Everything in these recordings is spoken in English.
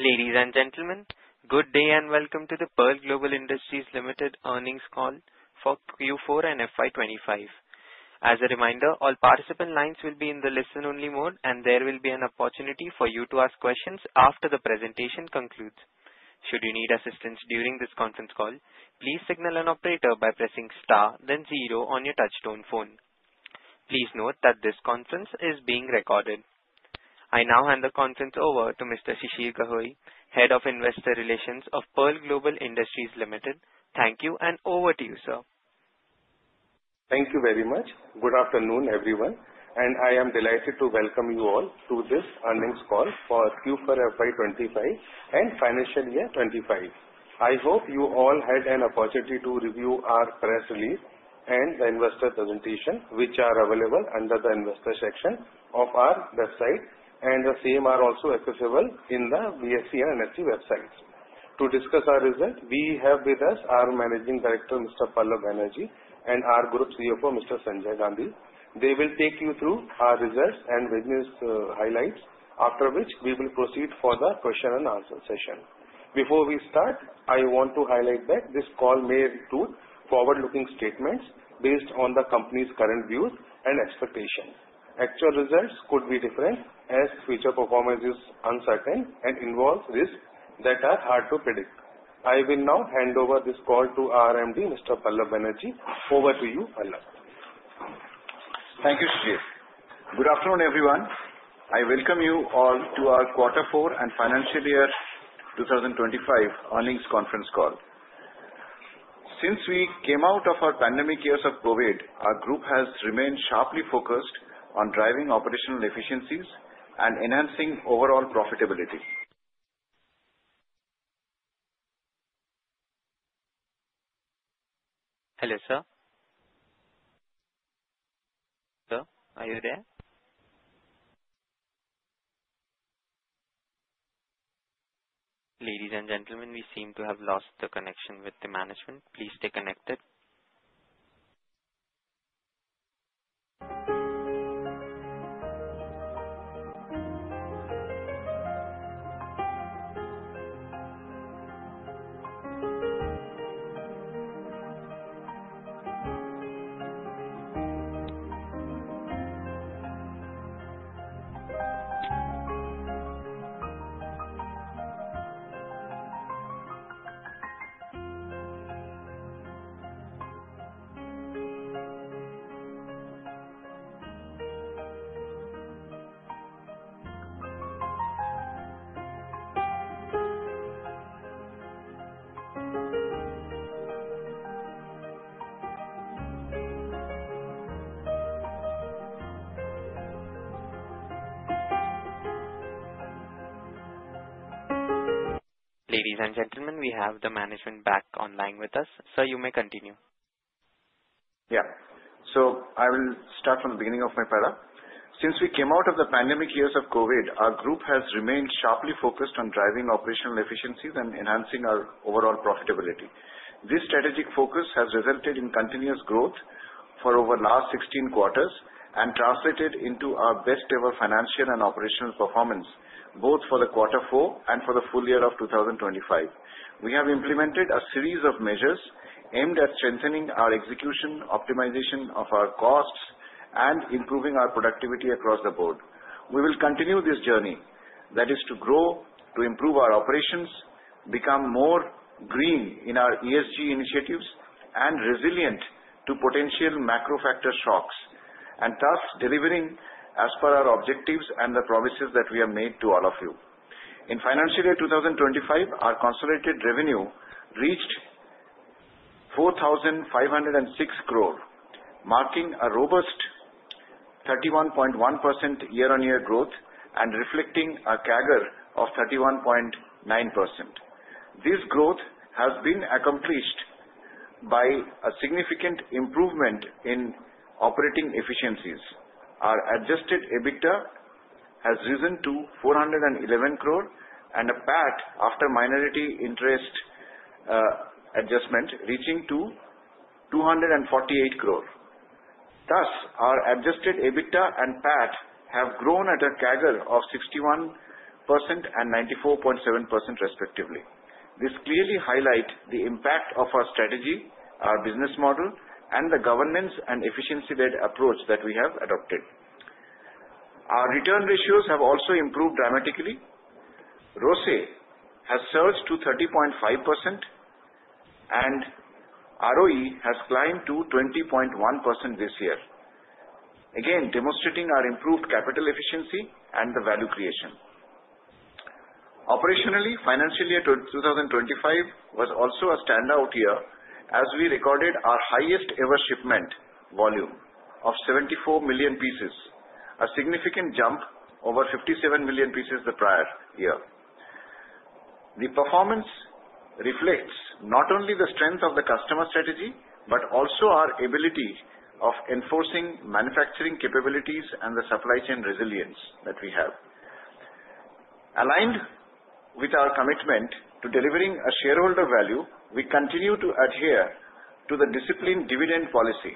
Ladies and gentlemen, good day and welcome to the Pearl Global Industries Limited earnings call for Quarter four and FY25. As a reminder, all participant lines will be in the listen-only mode, and there will be an opportunity for you to ask questions after the presentation concludes. Should you need assistance during this conference call, please signal an operator by pressing star, then zero on your touch-tone phone. Please note that this conference is being recorded. I now hand the conference over to Mr. Shishir Gahoi, Head of Investor Relations of Pearl Global Industries Limited. Thank you, and over to you, sir. Thank you very much. Good afternoon, everyone. I am delighted to welcome you all to this earnings call for Quarter four, FY25, and financial year 2025. I hope you all had an opportunity to review our press release and the investor presentation, which are available under the investor section of our website, and the same are also accessible in the BSE and NSE websites. To discuss our results, we have with us our Managing Director, Mr. Pallab Banerjee, and our Group CFO, Mr. Sanjay Gandhi. They will take you through our results and business highlights, after which we will proceed for the question-and-answer session. Before we start, I want to highlight that this call may include forward-looking statements based on the company's current views and expectations. Actual results could be different as future performance is uncertain and involves risks that are hard to predict. I will now hand over this call to our MD, Mr. Pallab Banerjee. Over to you, Pallab. Thank you, Shishir. Good afternoon, everyone. I welcome you all to our Quarter four and financial year 2025 earnings conference call. Since we came out of our pandemic years of COVID, our group has remained sharply focused on driving operational efficiencies and enhancing overall profitability. Hello, sir. Sir, are you there? Ladies and gentlemen, we seem to have lost the connection with the management. Please stay connected. Ladies and gentlemen, we have the management back online with us. Sir, you may continue. Yeah. So I will start from the beginning of my para. Since we came out of the pandemic years of COVID, our group has remained sharply focused on driving operational efficiencies and enhancing our overall profitability. This strategic focus has resulted in continuous growth for over the last 16 quarters and translated into our best-ever financial and operational performance, both for Quarter four and for the full year of 2025. We have implemented a series of measures aimed at strengthening our execution, optimization of our costs, and improving our productivity across the board. We will continue this journey, that is to grow, to improve our operations, become more green in our ESG initiatives, and resilient to potential macro-factor shocks and thus delivering as per our objectives and the promises that we have made to all of you. In financial year 2025, our consolidated revenue reached 4,506 crore, marking a robust 31.1% year-on-year growth and reflecting a CAGR of 31.9%. This growth has been accomplished by a significant improvement in operating efficiencies. Our adjusted EBITDA has risen to 411 crore and a PAT after minority interest adjustment reaching to 248 crore. Thus, our adjusted EBITDA and PAT have grown at a CAGR of 61% and 94.7%, respectively. This clearly highlights the impact of our strategy, our business model, and the governance and efficiency-led approach that we have adopted. Our return ratios have also improved dramatically. ROCE has surged to 30.5%, and ROE has climbed to 20.1% this year, again demonstrating our improved capital efficiency and the value creation. Operationally, financial year 2025 was also a standout year as we recorded our highest-ever shipment volume of 74 million pieces, a significant jump over 57 million pieces the prior year. The performance reflects not only the strength of the customer strategy but also our ability of enforcing manufacturing capabilities and the supply chain resilience that we have. Aligned with our commitment to delivering a shareholder value, we continue to adhere to the disciplined dividend policy,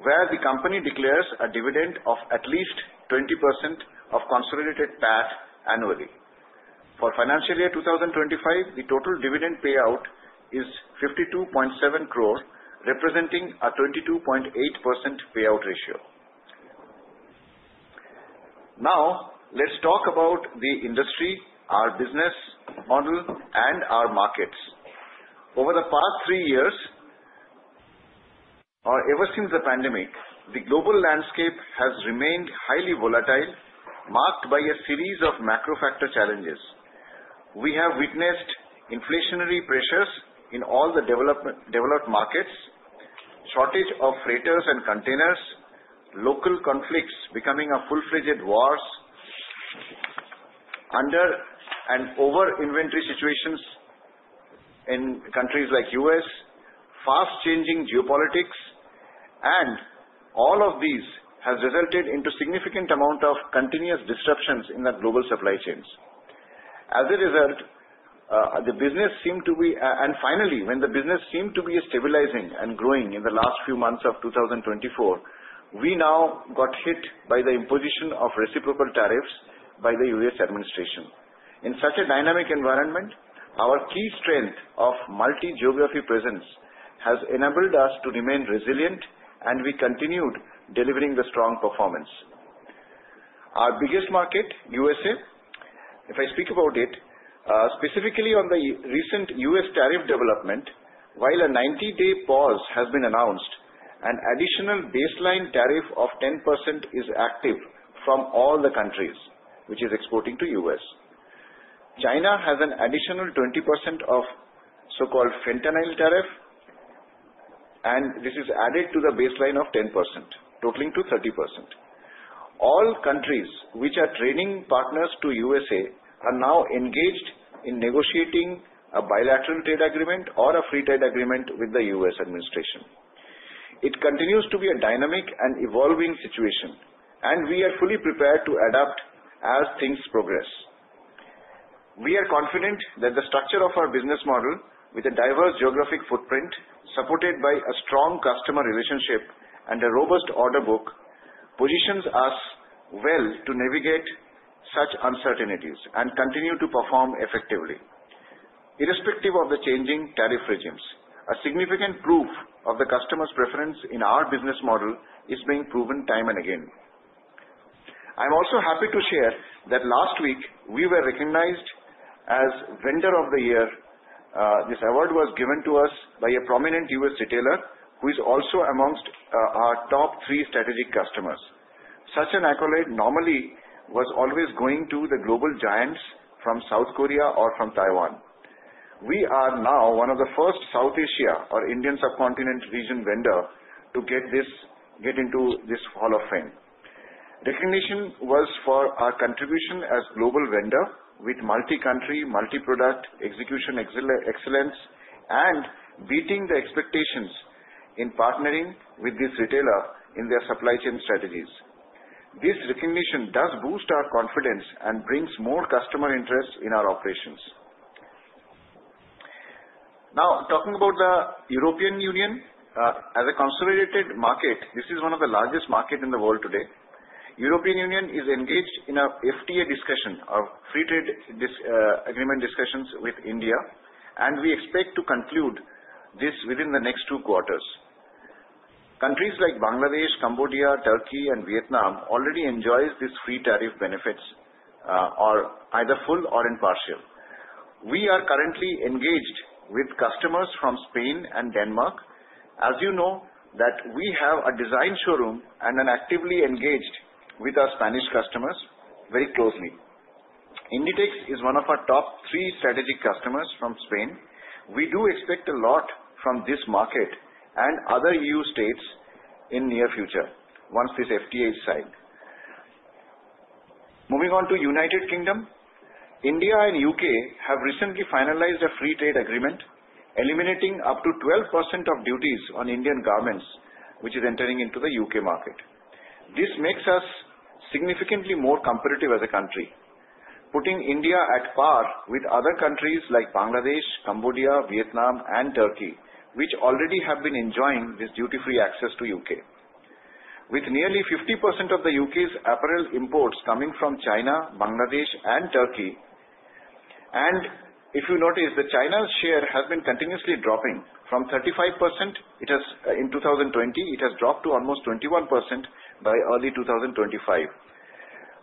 where the company declares a dividend of at least 20% of consolidated PAT annually. For financial year 2025, the total dividend payout is 52.7 crore, representing a 22.8% payout ratio. Now, let's talk about the industry, our business model, and our markets. Over the past three years, or ever since the pandemic, the global landscape has remained highly volatile, marked by a series of macro-factor challenges. We have witnessed inflationary pressures in all the developed markets, shortage of freighters and containers, local conflicts becoming full-fledged wars, under- and over-inventory situations in countries like the U.S., fast-changing geopolitics, and all of these have resulted in a significant amount of continuous disruptions in the global supply chains. As a result, the business seemed to be, and finally, when the business seemed to be stabilizing and growing in the last few months of 2024, we now got hit by the imposition of reciprocal tariffs by the U.S., administration. In such a dynamic environment, our key strength of multi-geography presence has enabled us to remain resilient, and we continued delivering the strong performance. Our biggest market, U.S.A., if I speak about it, specifically on the recent U.S., tariff development, while a 90-day pause has been announced, an additional baseline tariff of 10% is active from all the countries which are exporting to the U.S., China has an additional 20% of so-called fentanyl tariff, and this is added to the baseline of 10%, totaling to 30%. All countries which are trading partners to the U.S.A., are now engaged in negotiating a bilateral trade agreement or a free trade agreement with the U.S., administration. It continues to be a dynamic and evolving situation, and we are fully prepared to adapt as things progress. We are confident that the structure of our business model, with a diverse geographic footprint supported by a strong customer relationship and a robust order book, positions us well to navigate such uncertainties and continue to perform effectively, irrespective of the changing tariff regimes. A significant proof of the customer's preference in our business model is being proven time and again. I'm also happy to share that last week, we were recognized as Vendor of the Year. This award was given to us by a prominent U.S., retailer who is also among our top three strategic customers. Such an accolade normally was always going to the global giants from South Korea or from Taiwan. We are now one of the first South Asia or Indian subcontinent region vendors to get into this Hall of Fame. Recognition was for our contribution as a global vendor with multi-country, multi-product execution excellence and beating the expectations in partnering with this retailer in their supply chain strategies. This recognition does boost our confidence and brings more customer interest in our operations. Now, talking about the European Union, as a consolidated market, this is one of the largest markets in the world today. The European Union is engaged in a FTA discussion, a free trade agreement discussion with India, and we expect to conclude this within the next two quarters. Countries like Bangladesh, Cambodia, Turkey, and Vietnam already enjoy these free tariff benefits, either full or in part. We are currently engaged with customers from Spain and Denmark. As you know, we have a design showroom and are actively engaged with our Spanish customers very closely. Inditex is one of our top three strategic customers from Spain. We do expect a lot from this market and other E.U. states in the near future once this FTA is signed. Moving on to the United Kingdom, India and the U.K., have recently finalized a free trade agreement, eliminating up to 12% of duties on Indian garments which are entering into the U.K., market. This makes us significantly more competitive as a country, putting India at par with other countries like Bangladesh, Cambodia, Vietnam, and Turkey, which already have been enjoying this duty-free access to the U.K., with nearly 50% of the U.K.'s apparel imports coming from China, Bangladesh, and Turkey, and if you notice, China's share has been continuously dropping from 35% in 2020. It has dropped to almost 21% by early 2025.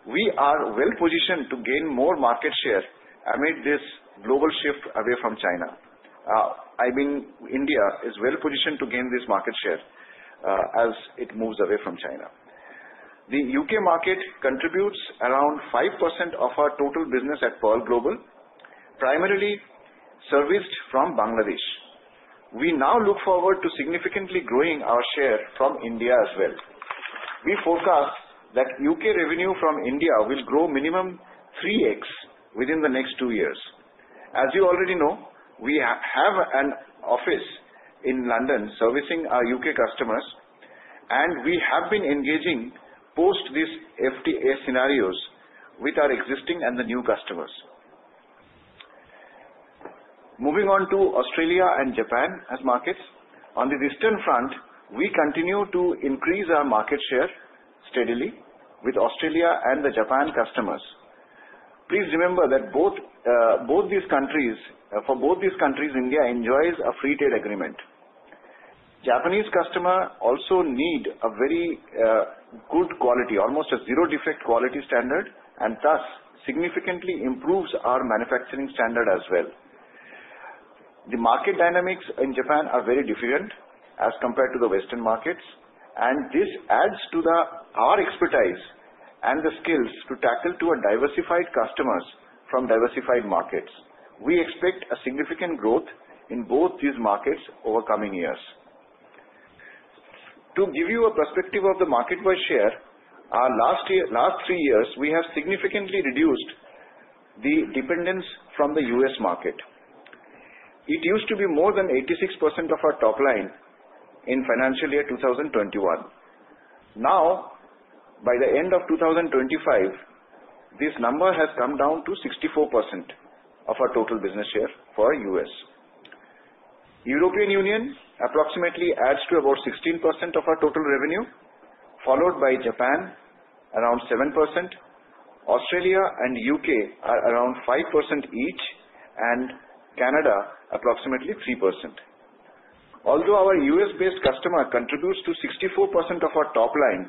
We are well-positioned to gain more market share amid this global shift away from China. I mean, India is well-positioned to gain this market share as it moves away from China. The U.K., market contributes around 5% of our total business at Pearl Global, primarily serviced from Bangladesh. We now look forward to significantly growing our share from India as well. We forecast that U.K., revenue from India will grow a minimum of 3X within the next two years. As you already know, we have an office in London servicing our U.K. customers, and we have been engaging post this FTA scenarios with our existing and the new customers. Moving on to Australia and Japan as markets, on the Eastern Front, we continue to increase our market share steadily with Australia and the Japan customers. Please remember that for both these countries, India enjoys a free trade agreement. Japanese customers also need a very good quality, almost a zero-defect quality standard, and thus significantly improves our manufacturing standard as well. The market dynamics in Japan are very different as compared to the Western markets, and this adds to our expertise and the skills to tackle diversified customers from diversified markets. We expect a significant growth in both these markets over the coming years. To give you a perspective of the market-wide share, last three years, we have significantly reduced the dependence from the U.S., market. It used to be more than 86% of our top line in financial year 2021. Now, by the end of 2025, this number has come down to 64% of our total business share for the U.S. The European Union approximately adds to about 16% of our total revenue, followed by Japan around 7%, Australia and the U.K., are around 5% each, and Canada approximately 3%. Although our U.S.,-based customer contributes to 64% of our top line,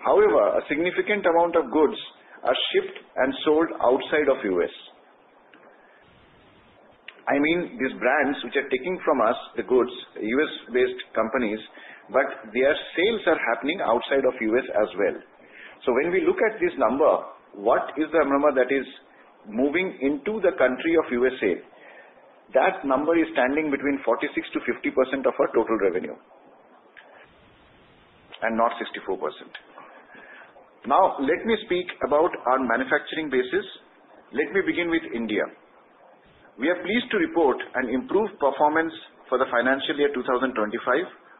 however, a significant amount of goods are shipped and sold outside of the U.S., I mean, these brands which are taking from us the goods, U.S.,-based companies, but their sales are happening outside of the U.S., as well. So when we look at this number, what is the number that is moving into the country of the U.S.A.? That number is standing between 46% to 50% of our total revenue and not 64%. Now, let me speak about our manufacturing basis. Let me begin with India. We are pleased to report an improved performance for the financial year 2025.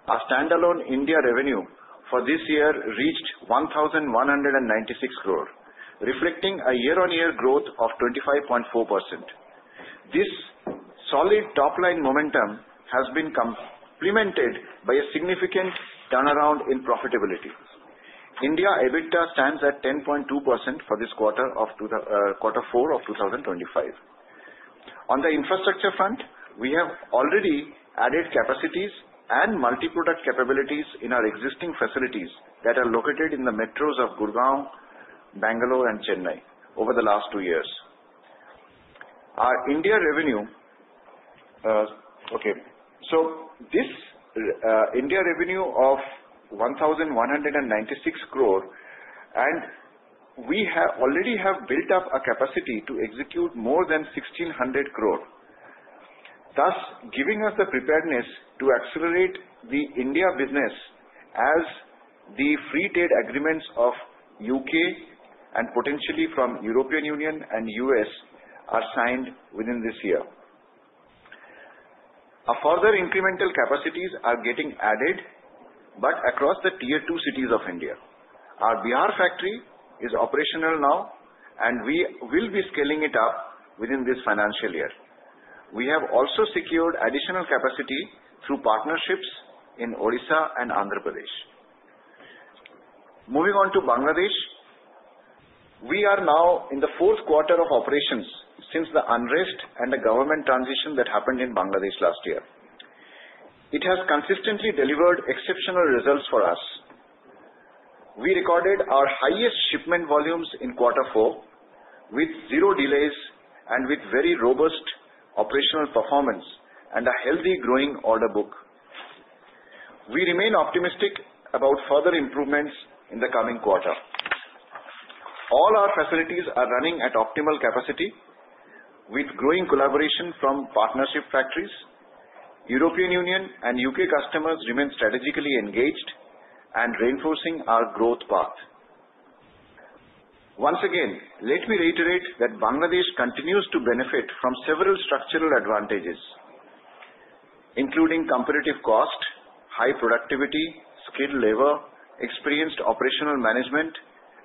Our standalone India revenue for this year reached 1,196 crore, reflecting a year-on-year growth of 25.4%. This solid top-line momentum has been complemented by a significant turnaround in profitability. India EBITDA stands at 10.2% for this quarter of Quarter four of 2025. On the infrastructure front, we have already added capacities and multi-product capabilities in our existing facilities that are located in the metros of Gurgaon, Bangalore, and Chennai over the last two years. Our India revenue, okay, so this India revenue of 1,196 crore, and we already have built up a capacity to execute more than 1,600 crore, thus giving us the preparedness to accelerate the India business as the free trade agreements of the U.K., and potentially from the European Union and the U.S., are signed within this year. Our further incremental capacities are getting added, but across the tier two cities of India, our Bihar factory is operational now, and we will be scaling it up within this financial year. We have also secured additional capacity through partnerships in Odisha and Andhra Pradesh. Moving on to Bangladesh, we are now in the fourth quarter of operations since the unrest and the government transition that happened in Bangladesh last year. It has consistently delivered exceptional results for us. We recorded our highest shipment volumes in Quarter four with zero delays and with very robust operational performance and a healthy growing order book. We remain optimistic about further improvements in the coming quarter. All our facilities are running at optimal capacity with growing collaboration from partnership factories. The European Union and U.K., customers remain strategically engaged and reinforcing our growth path. Once again, let me reiterate that Bangladesh continues to benefit from several structural advantages, including competitive cost, high productivity, skilled labor, experienced operational management,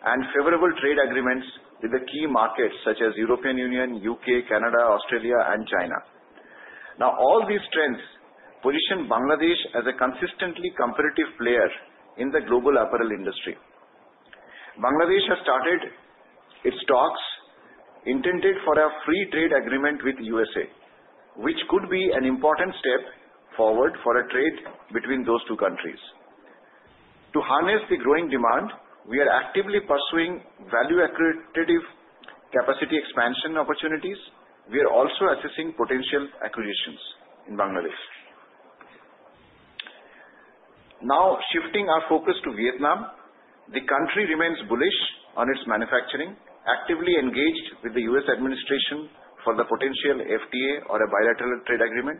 and favorable trade agreements with the key markets such as the European Union, the U.K., Canada, Australia, and China. Now, all these strengths position Bangladesh as a consistently competitive player in the global apparel industry. Bangladesh has started its talks intended for a free trade agreement with the USA, which could be an important step forward for trade between those two countries. To harness the growing demand, we are actively pursuing value-accretive capacity expansion opportunities. We are also assessing potential acquisitions in Bangladesh. Now, shifting our focus to Vietnam, the country remains bullish on its manufacturing, actively engaged with the U.S., administration for the potential FTA or a bilateral trade agreement,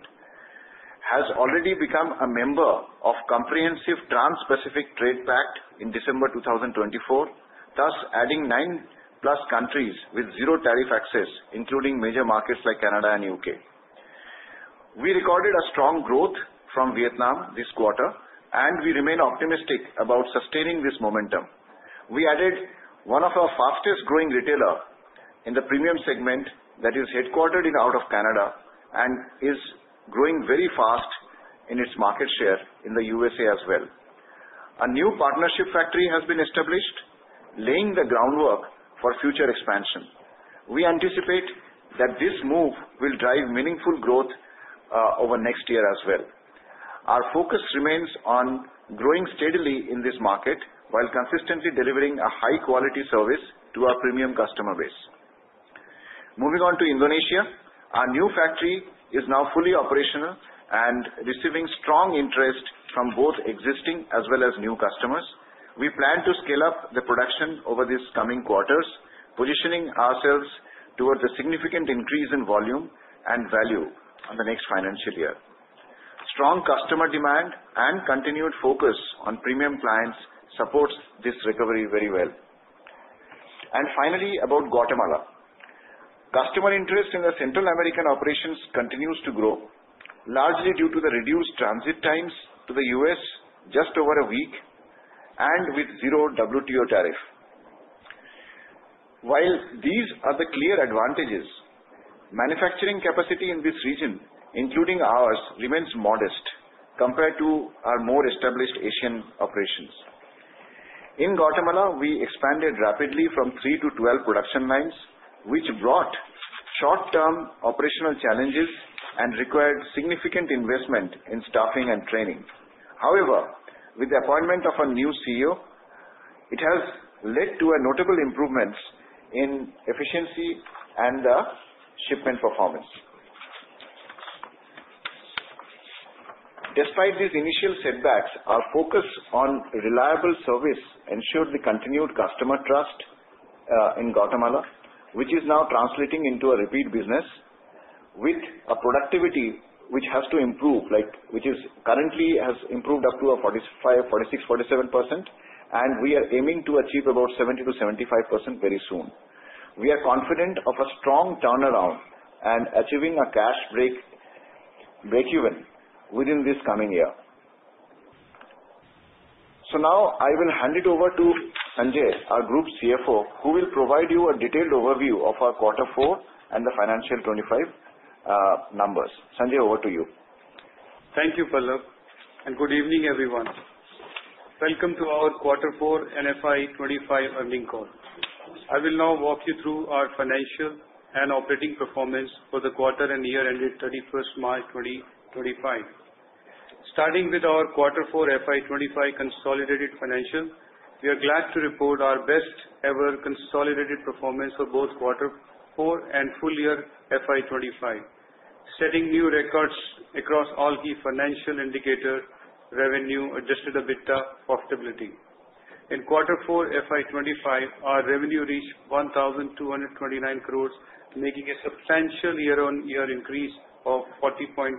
has already become a member of the Comprehensive Trans-Pacific Trade Pact in December 2024, thus adding nine-plus countries with zero-tariff access, including major markets like Canada and the U.K., We recorded a strong growth from Vietnam this quarter, and we remain optimistic about sustaining this momentum. We added one of our fastest-growing retailers in the premium segment that is headquartered in and out of Canada and is growing very fast in its market share in the USA as well. A new partnership factory has been established, laying the groundwork for future expansion. We anticipate that this move will drive meaningful growth over next year as well. Our focus remains on growing steadily in this market while consistently delivering a high-quality service to our premium customer base. Moving on to Indonesia, our new factory is now fully operational and receiving strong interest from both existing as well as new customers. We plan to scale up the production over these coming quarters, positioning ourselves toward a significant increase in volume and value in the next financial year. Strong customer demand and continued focus on premium clients support this recovery very well. And finally, about Guatemala, customer interest in the Central American operations continues to grow, largely due to the reduced transit times to the U.S., just over a week, and with zero WTO tariff. While these are the clear advantages, manufacturing capacity in this region, including ours, remains modest compared to our more established Asian operations. In Guatemala, we expanded rapidly from 3 to 12 production lines, which brought short-term operational challenges and required significant investment in staffing and training. However, with the appointment of a new CEO, it has led to notable improvements in efficiency and shipment performance. Despite these initial setbacks, our focus on reliable service ensured the continued customer trust in Guatemala, which is now translating into a repeat business with a productivity which has to improve, which currently has improved up to 46%, 47%, and we are aiming to achieve about 70%-75% very soon. We are confident of a strong turnaround and achieving a cash break-even within this coming year. Now, I will hand it over to Sanjay, our Group CFO, who will provide you a detailed overview of our Quarter four and the FY25 numbers. Sanjay, over to you. Thank you, Pallab, and good evening, everyone. Welcome to our Quarter four FY25 earnings call. I will now walk you through our financial and operating performance for the quarter-end year ended 31st March 2025. Starting with our Quarter four FY25 consolidated financials, we are glad to report our best-ever consolidated performance for both Quarter four and full-year FY25, setting new records across all key financial indicators, revenue, adjusted EBITDA, and profitability. In Quarter four FY25, our revenue reached 1,229 crore, making a substantial year-on-year increase of 40.1%.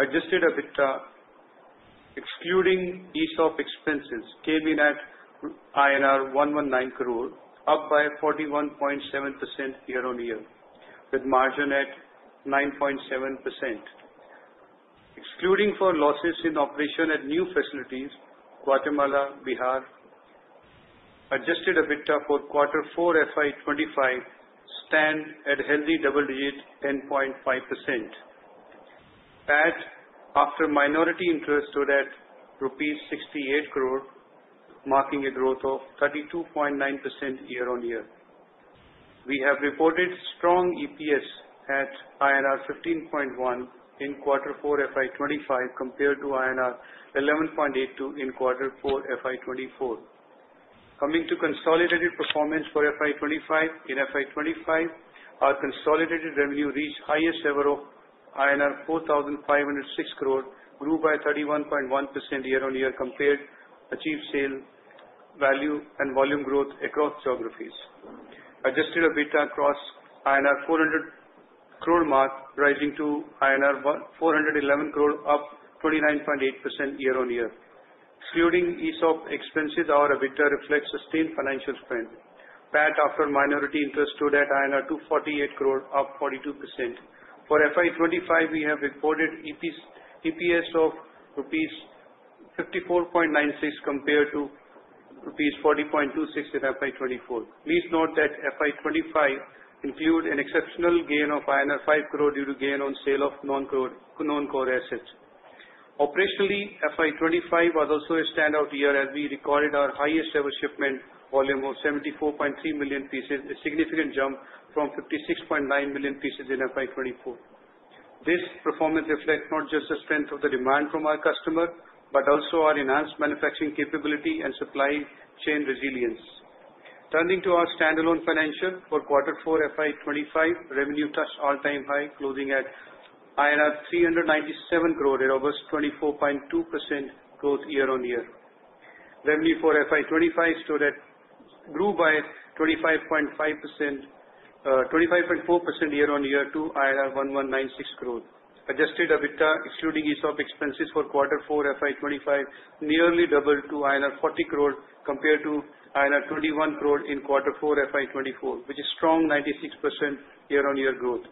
Adjusted EBITDA, excluding ESOP expenses, came in at INR 119 crore, up by 41.7% year-on-year, with margin at 9.7%. Excluding for losses in operation at new facilities, Guatemala, Bihar, adjusted EBITDA for Quarter four FY25 stands at a healthy double-digit 10.5%. PAT, after minority interest, stood at rupees 68 crore, marking a growth of 32.9% year-on-year. We have reported strong EPS at INR 15.1 in Quarter four FY25 compared to INR 11.82 in Quarter four FY24. Coming to consolidated performance for FY25, in FY25, our consolidated revenue reached the highest ever of INR 4,506 crore, grew by 31.1% year-on-year compared to achieved sale value and volume growth across geographies. Adjusted EBITDA crossed the INR 400 crore mark, rising to INR 411 crore, up 29.8% year-on-year. Excluding ESOP expenses, our EBITDA reflects sustained financial strength. PAT, after minority interest, stood at INR 248 crore, up 42%. For FY25, we have reported EPS of rupees 54.96 compared to rupees 40.26 in FY24. Please note that FY25 included an exceptional gain of INR 5 crore due to gain on sale of non-core assets. Operationally, FY25 was also a standout year as we recorded our highest-ever shipment volume of 74.3 million pieces, a significant jump from 56.9 million pieces in FY24. This performance reflects not just the strength of the demand from our customers but also our enhanced manufacturing capability and supply chain resilience. Turning to our standalone financial, for Quarter four FY25, revenue touched all-time high, closing at INR 397 crore, an almost 24.2% growth year-on-year. Revenue for FY25 grew by 25.4% year-on-year to 1196 crore. Adjusted EBITDA, excluding ESOP expenses for Quarter four FY25, nearly doubled to INR 40 crore compared to INR 21 crore in Quarter four FY24, which is a strong 96% year-on-year growth.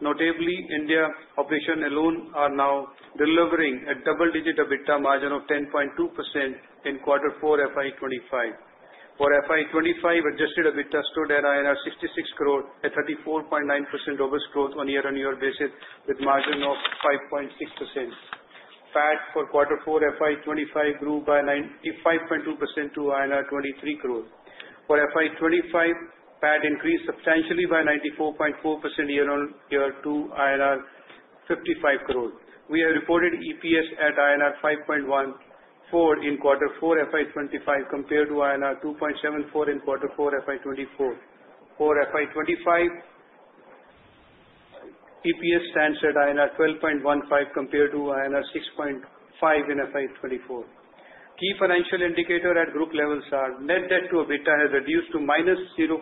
Notably, India operations alone are now delivering a double-digit EBITDA margin of 10.2% in Quarter four FY25. For FY25, adjusted EBITDA stood at 66 crore, a 34.9% robust growth on a year-on-year basis with a margin of 5.6%. PAT for Quarter four FY25 grew by 95.2% to INR 23 crore. For FY25, PAT increased substantially by 94.4% year-on-year to INR 55 crore. We have reported EPS at INR 5.14 in Quarter four FY25 compared to INR 2.74 in Quarter four FY24. For FY25, EPS stands at INR 12.15 compared to INR 6.5 in FY24. Key financial indicators at Group levels are net debt to EBITDA has reduced to minus 0.4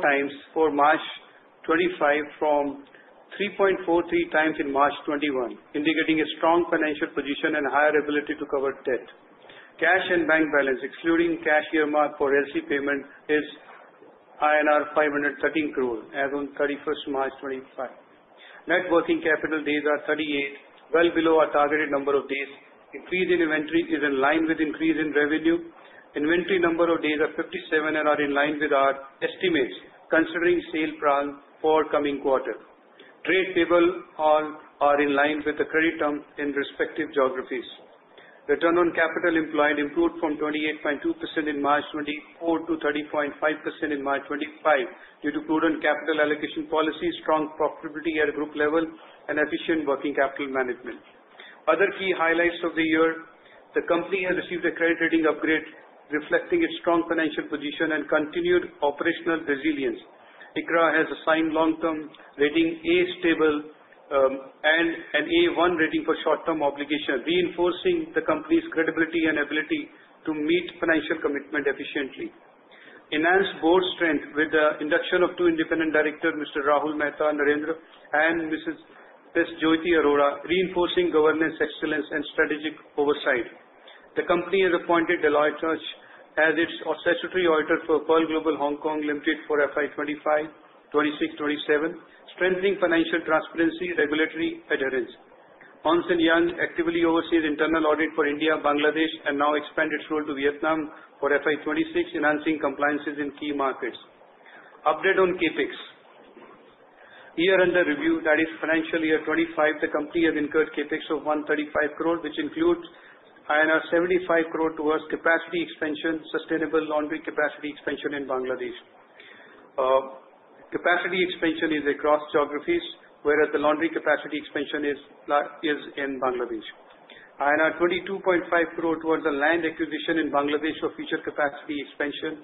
times for March 2025 from 3.43 times in March 2021, indicating a strong financial position and higher ability to cover debt. Cash and bank balance, excluding cash earmarked for LC payment, is INR 513 crore as of 31st March 2025. Net working capital days are 38, well below our targeted number of days. Increase in inventory is in line with increase in revenue. Inventory number of days are 57 and are in line with our estimates considering sales plan for coming quarter. Trade payables all are in line with the credit terms in respective geographies. Return on capital employed improved from 28.2% in March 2024 to 30.5% in March 2025 due to prudent capital allocation policy, strong profitability at a Group level, and efficient working capital management. Other key highlights of the year: the company has received a credit rating upgrade reflecting its strong financial position and continued operational resilience. ICRA has assigned long-term rating A stable and an A1 rating for short-term obligations, reinforcing the company's credibility and ability to meet financial commitments efficiently. Enhanced board strength with the induction of two independent directors, Mr. Rahul Mehta Narendra and Mrs. Jyoti Arora, reinforcing governance excellence and strategic oversight. The company has appointed Deloitte as its successor auditor for Pearl Global (HK) Ltd. for FY25, 26, and 27, strengthening financial transparency and regulatory adherence. Ernst & Young actively oversees internal audit for India, Bangladesh, and now expanded its role to Vietnam for FY26, enhancing compliance in key markets. Update on CapEx. Year-end review, that is, financial year 25, the company has incurred CapEx of 135 crore, which includes INR 75 crore towards capacity expansion, sustainable laundry capacity expansion in Bangladesh. Capacity expansion is across geographies, whereas the laundry capacity expansion is in Bangladesh. INR 22.5 crore towards the land acquisition in Bangladesh for future capacity expansion,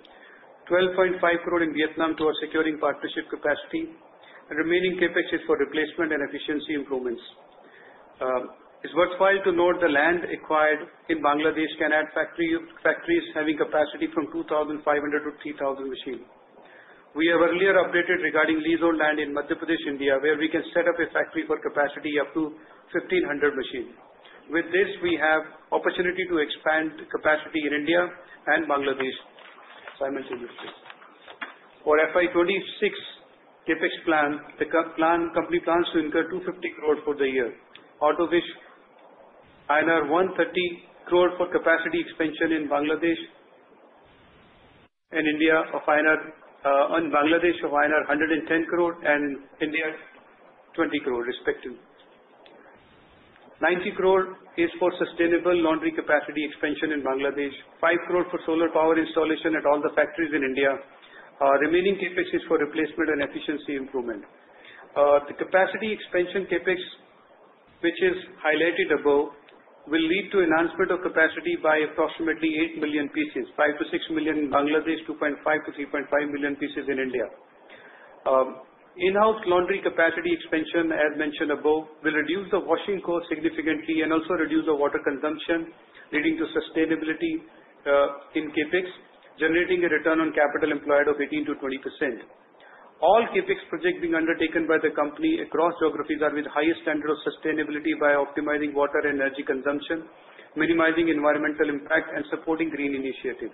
12.5 crore in Vietnam towards securing partnership capacity, and remaining CapEx is for replacement and efficiency improvements. It's worthwhile to note the land acquired in Bangladesh can add factories having capacity from 2,500 to 3,000 machines. We have earlier updated regarding leasehold land in Madhya Pradesh, India, where we can set up a factory for capacity up to 1,500 machines. With this, we have the opportunity to expand capacity in India and Bangladesh. For FY26, CapEx plan, the company plans to incur 250 crore for the year. Out of which, INR 130 crore for capacity expansion in Bangladesh and India, and Bangladesh of 110 crore and India 20 crore respectively. 90 crore is for sustainable laundry capacity expansion in Bangladesh, 5 crore for solar power installation at all the factories in India. Remaining CapEx is for replacement and efficiency improvement. The capacity expansion CapEx, which is highlighted above, will lead to enhancement of capacity by approximately 8 million pieces, 5 million to 6 million in Bangladesh, 2.5 million to 3.5 million pieces in India. In-house laundry capacity expansion, as mentioned above, will reduce the washing cost significantly and also reduce the water consumption, leading to sustainability in CapEx, generating a return on capital employed of 18% to 20%. All CapEx projects being undertaken by the company across geographies are with the highest standard of sustainability by optimizing water and energy consumption, minimizing environmental impact, and supporting green initiatives.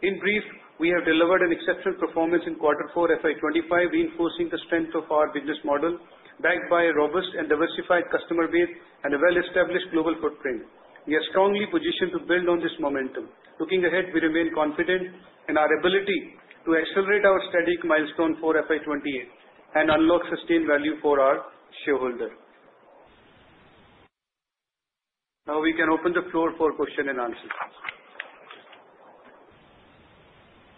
In brief, we have delivered an exceptional performance in Quarter four FY25, reinforcing the strength of our business model backed by a robust and diversified customer base and a well-established global footprint. We are strongly positioned to build on this momentum. Looking ahead, we remain confident in our ability to accelerate our strategic milestone for FY28 and unlock sustained value for our shareholders. Now we can open the floor for questions and answers.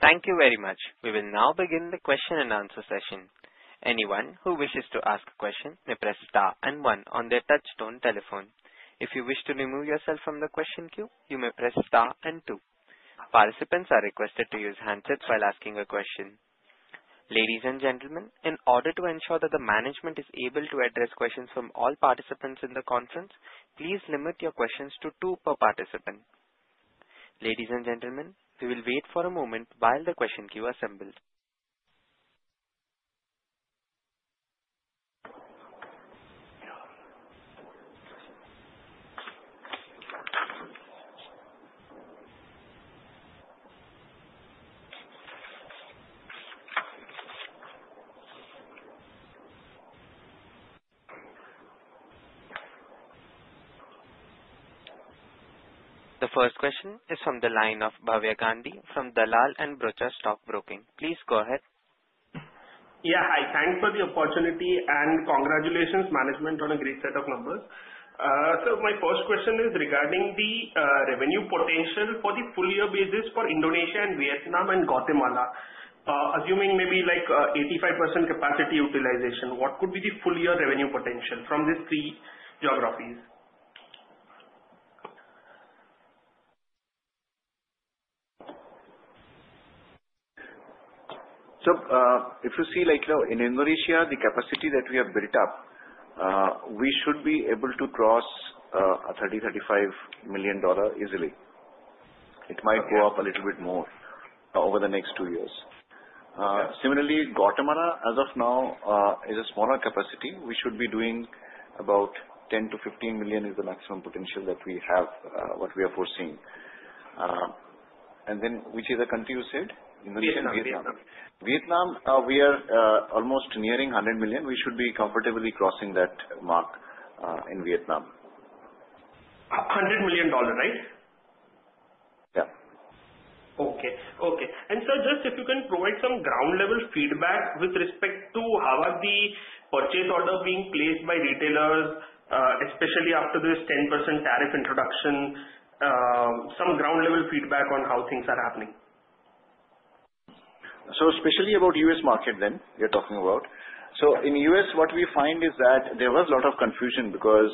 Thank you very much. We will now begin the question and answer session. Anyone who wishes to ask a question may press Star and one on their touch-tone telephone. If you wish to remove yourself from the question queue, you may press Star and two. Participants are requested to use handsets while asking a question. Ladies and gentlemen, in order to ensure that the management is able to address questions from all participants in the conference, please limit your questions to two per participant. Ladies and gentlemen, we will wait for a moment while the question queue assembles. The first question is from the line of Bhavya Gandhi from Dalal & Broacha Stock Broking. Please go ahead. Yeah, I thank for the opportunity and congratulations management on a great set of numbers. So my first question is regarding the revenue potential for the full-year basis for Indonesia and Vietnam and Guatemala. Assuming maybe like 85% capacity utilization, what could be the full-year revenue potential from these three geographies? So if you see like in Indonesia, the capacity that we have built up, we should be able to cross $30 million to $35 million easily. It might go up a little bit more over the next two years. Similarly, Guatemala, as of now, is a smaller capacity. We should be doing about $10 million to $15 million is the maximum potential that we have, what we are foreseeing. And then which is the country you said? Indonesia and Vietnam. Vietnam, we are almost nearing $100 million. We should be comfortably crossing that mark in Vietnam. $100 million, right? Yeah. Okay. Okay. Sir, just if you can provide some ground-level feedback with respect to how are the purchase orders being placed by retailers, especially after this 10% tariff introduction. Some ground-level feedback on how things are happening. Especially about the U.S., market that you're talking about. In the U.S., what we find is that there was a lot of confusion because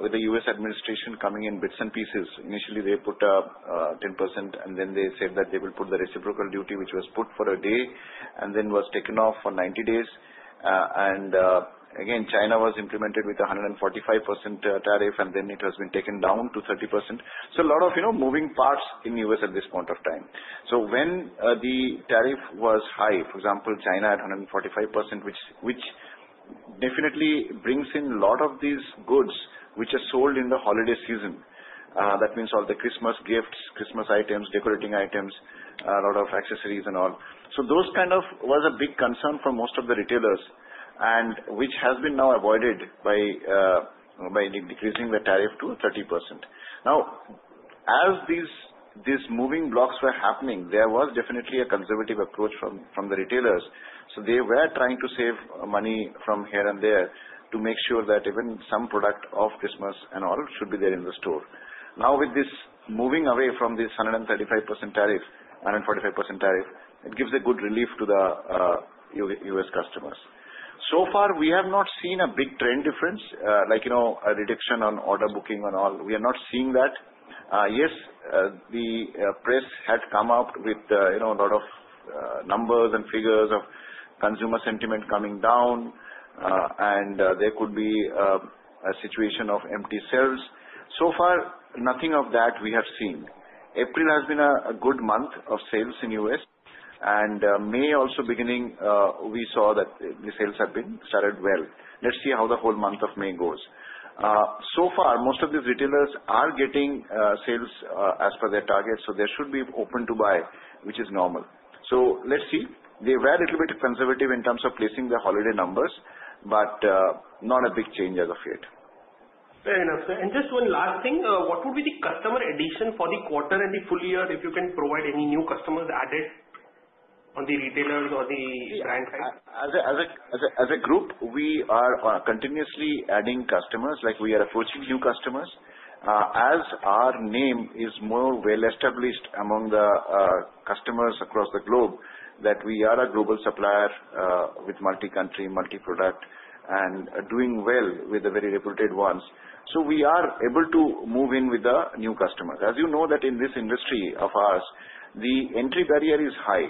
with the U.S., administration coming in bits and pieces. Initially, they put up 10%, and then they said that they will put the reciprocal duty, which was put for a day and then was taken off for 90 days. Again, China was implemented with a 145% tariff, and then it has been taken down to 30%. A lot of moving parts in the U.S., at this point of time. So when the tariff was high, for example, China at 145%, which definitely brings in a lot of these goods which are sold in the holiday season. That means all the Christmas gifts, Christmas items, decorating items, a lot of accessories and all. So those kind of was a big concern for most of the retailers, which has been now avoided by decreasing the tariff to 30%. Now, as these moving blocks were happening, there was definitely a conservative approach from the retailers. So they were trying to save money from here and there to make sure that even some product of Christmas and all should be there in the store. Now, with this moving away from this 135% tariff, 145% tariff, it gives a good relief to the US customers. So far, we have not seen a big trend difference, like a reduction on order booking and all. We are not seeing that. Yes, the press had come out with a lot of numbers and figures of consumer sentiment coming down, and there could be a situation of empty sales. So far, nothing of that we have seen. April has been a good month of sales in the U.S., and May also beginning, we saw that the sales have been started well. Let's see how the whole month of May goes. So far, most of these retailers are getting sales as per their target, so they should be open to buy, which is normal. So let's see. They were a little bit conservative in terms of placing the holiday numbers, but not a big change as of yet. Fair enough, and just one last thing. What would be the customer addition for the quarter and the full year if you can provide any new customers added on the retailers or the brand side? As a group, we are continuously adding customers. We are approaching new customers. As our name is more well-established among the customers across the globe that we are a global supplier with multi-country, multi-product, and doing well with the very reputed ones, so we are able to move in with the new customers. As you know that in this industry of ours, the entry barrier is high.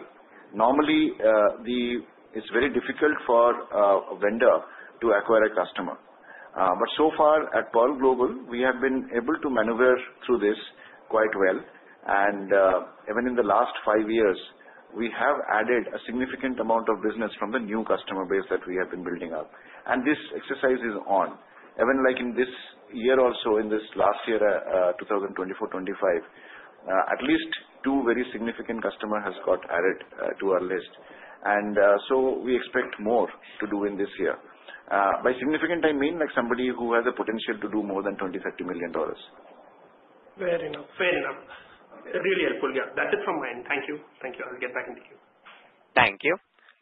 Normally, it's very difficult for a vendor to acquire a customer, but so far, at Pearl Global, we have been able to maneuver through this quite well and even in the last five years, we have added a significant amount of business from the new customer base that we have been building up. This exercise is on. Even like in this year also, in this last year, 2024-2025, at least two very significant customers have got added to our list. So we expect more to do in this year. By significant, I mean like somebody who has a potential to do more than $20 million to $30 million. Fair enough. Fair enough. Really helpful. Yeah. That's it from mine. Thank you. Thank you. I'll get back into queue. Thank you.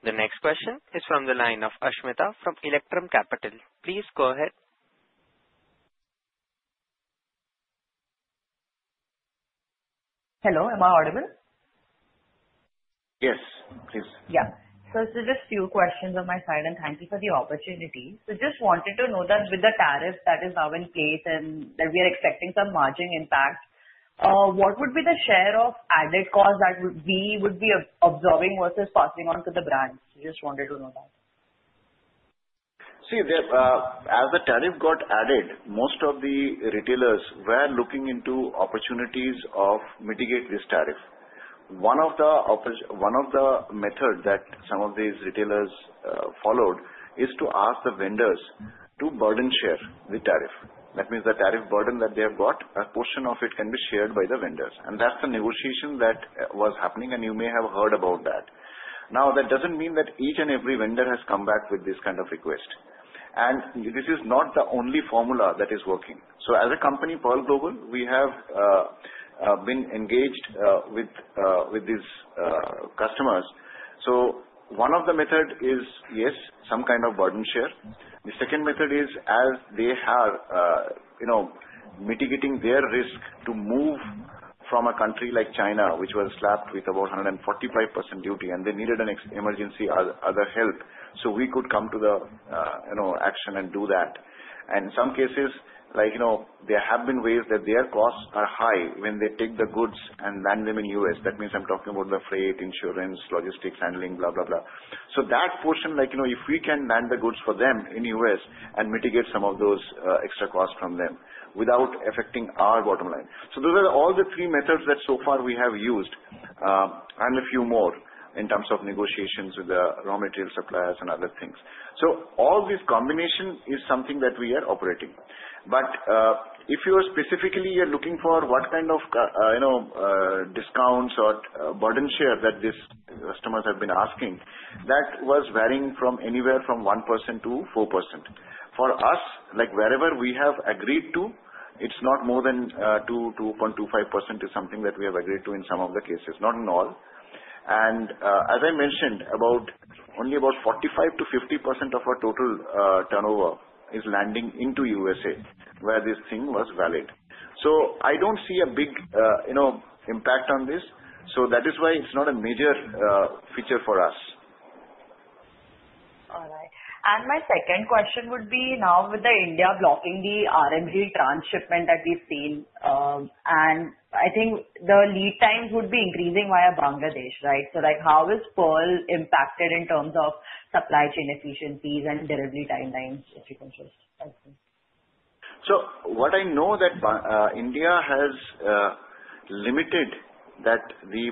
The next question is from the line of Ashmitha from Electrum Capital. Please go ahead. Hello. Am I audible? Yes, please. Yeah. So this is just a few questions on my side, and thank you for the opportunity. Just wanted to know that with the tariff that is now in place and that we are expecting some margin impact, what would be the share of added costs that we would be absorbing versus passing on to the brands? Just wanted to know that. See, as the tariff got added, most of the retailers were looking into opportunities of mitigating this tariff. One of the methods that some of these retailers followed is to ask the vendors to burden share the tariff. That means the tariff burden that they have got, a portion of it can be shared by the vendors. That's the negotiation that was happening, and you may have heard about that. Now, that doesn't mean that each and every vendor has come back with this kind of request. This is not the only formula that is working. So as a company, Pearl Global, we have been engaged with these customers. So one of the methods is, yes, some kind of burden share. The second method is as they are mitigating their risk to move from a country like China, which was slapped with about 145% duty, and they needed an emergency other help, so we could come to the action and do that. And in some cases, there have been ways that their costs are high when they take the goods and land them in the U.S., That means I'm talking about the freight, insurance, logistics, handling, blah, blah, blah. So that portion, if we can land the goods for them in the U.S., and mitigate some of those extra costs from them without affecting our bottom line. So those are all the three methods that so far we have used, and a few more in terms of negotiations with the raw material suppliers and other things. So all this combination is something that we are operating. But if you are specifically looking for what kind of discounts or burden share that these customers have been asking, that was varying from anywhere from 1% to 4%. For us, wherever we have agreed to, it's not more than 2, 2.25% is something that we have agreed to in some of the cases, not in all. And as I mentioned, only about 45% to 50% of our total turnover is landing into the USA where this thing was valid. So I don't see a big impact on this. So that is why it's not a major feature for us. All right. And my second question would be now with India blocking the road transshipment that we've seen, and I think the lead times would be increasing via Bangladesh, right? So how is Pearl impacted in terms of supply chain efficiencies and delivery timelines, if you can just explain? So what I know is that India has limited that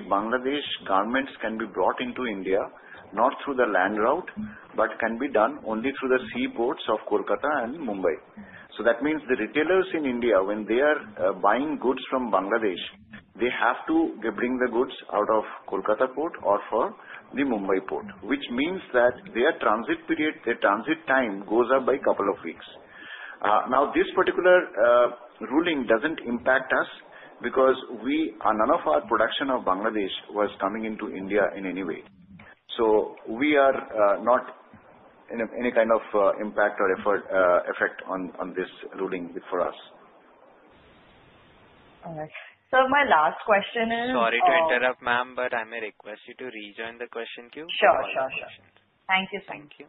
Bangladeshi garments can be brought into India, not through the land route, but can be done only through the sea ports of Kolkata and Mumbai. So that means the retailers in India, when they are buying goods from Bangladesh, they have to bring the goods into Kolkata port or from the Mumbai port, which means that their transit period, their transit time goes up by a couple of weeks. Now, this particular ruling doesn't impact us because none of our production from Bangladesh was coming into India in any way. So we are not in any kind of impact or effect on this ruling for us. All right. So my last question is. Sorry to interrupt, ma'am, but I may request you to rejoin the question queue for one more question. Sure, sure, sure. Thank you. Thank you.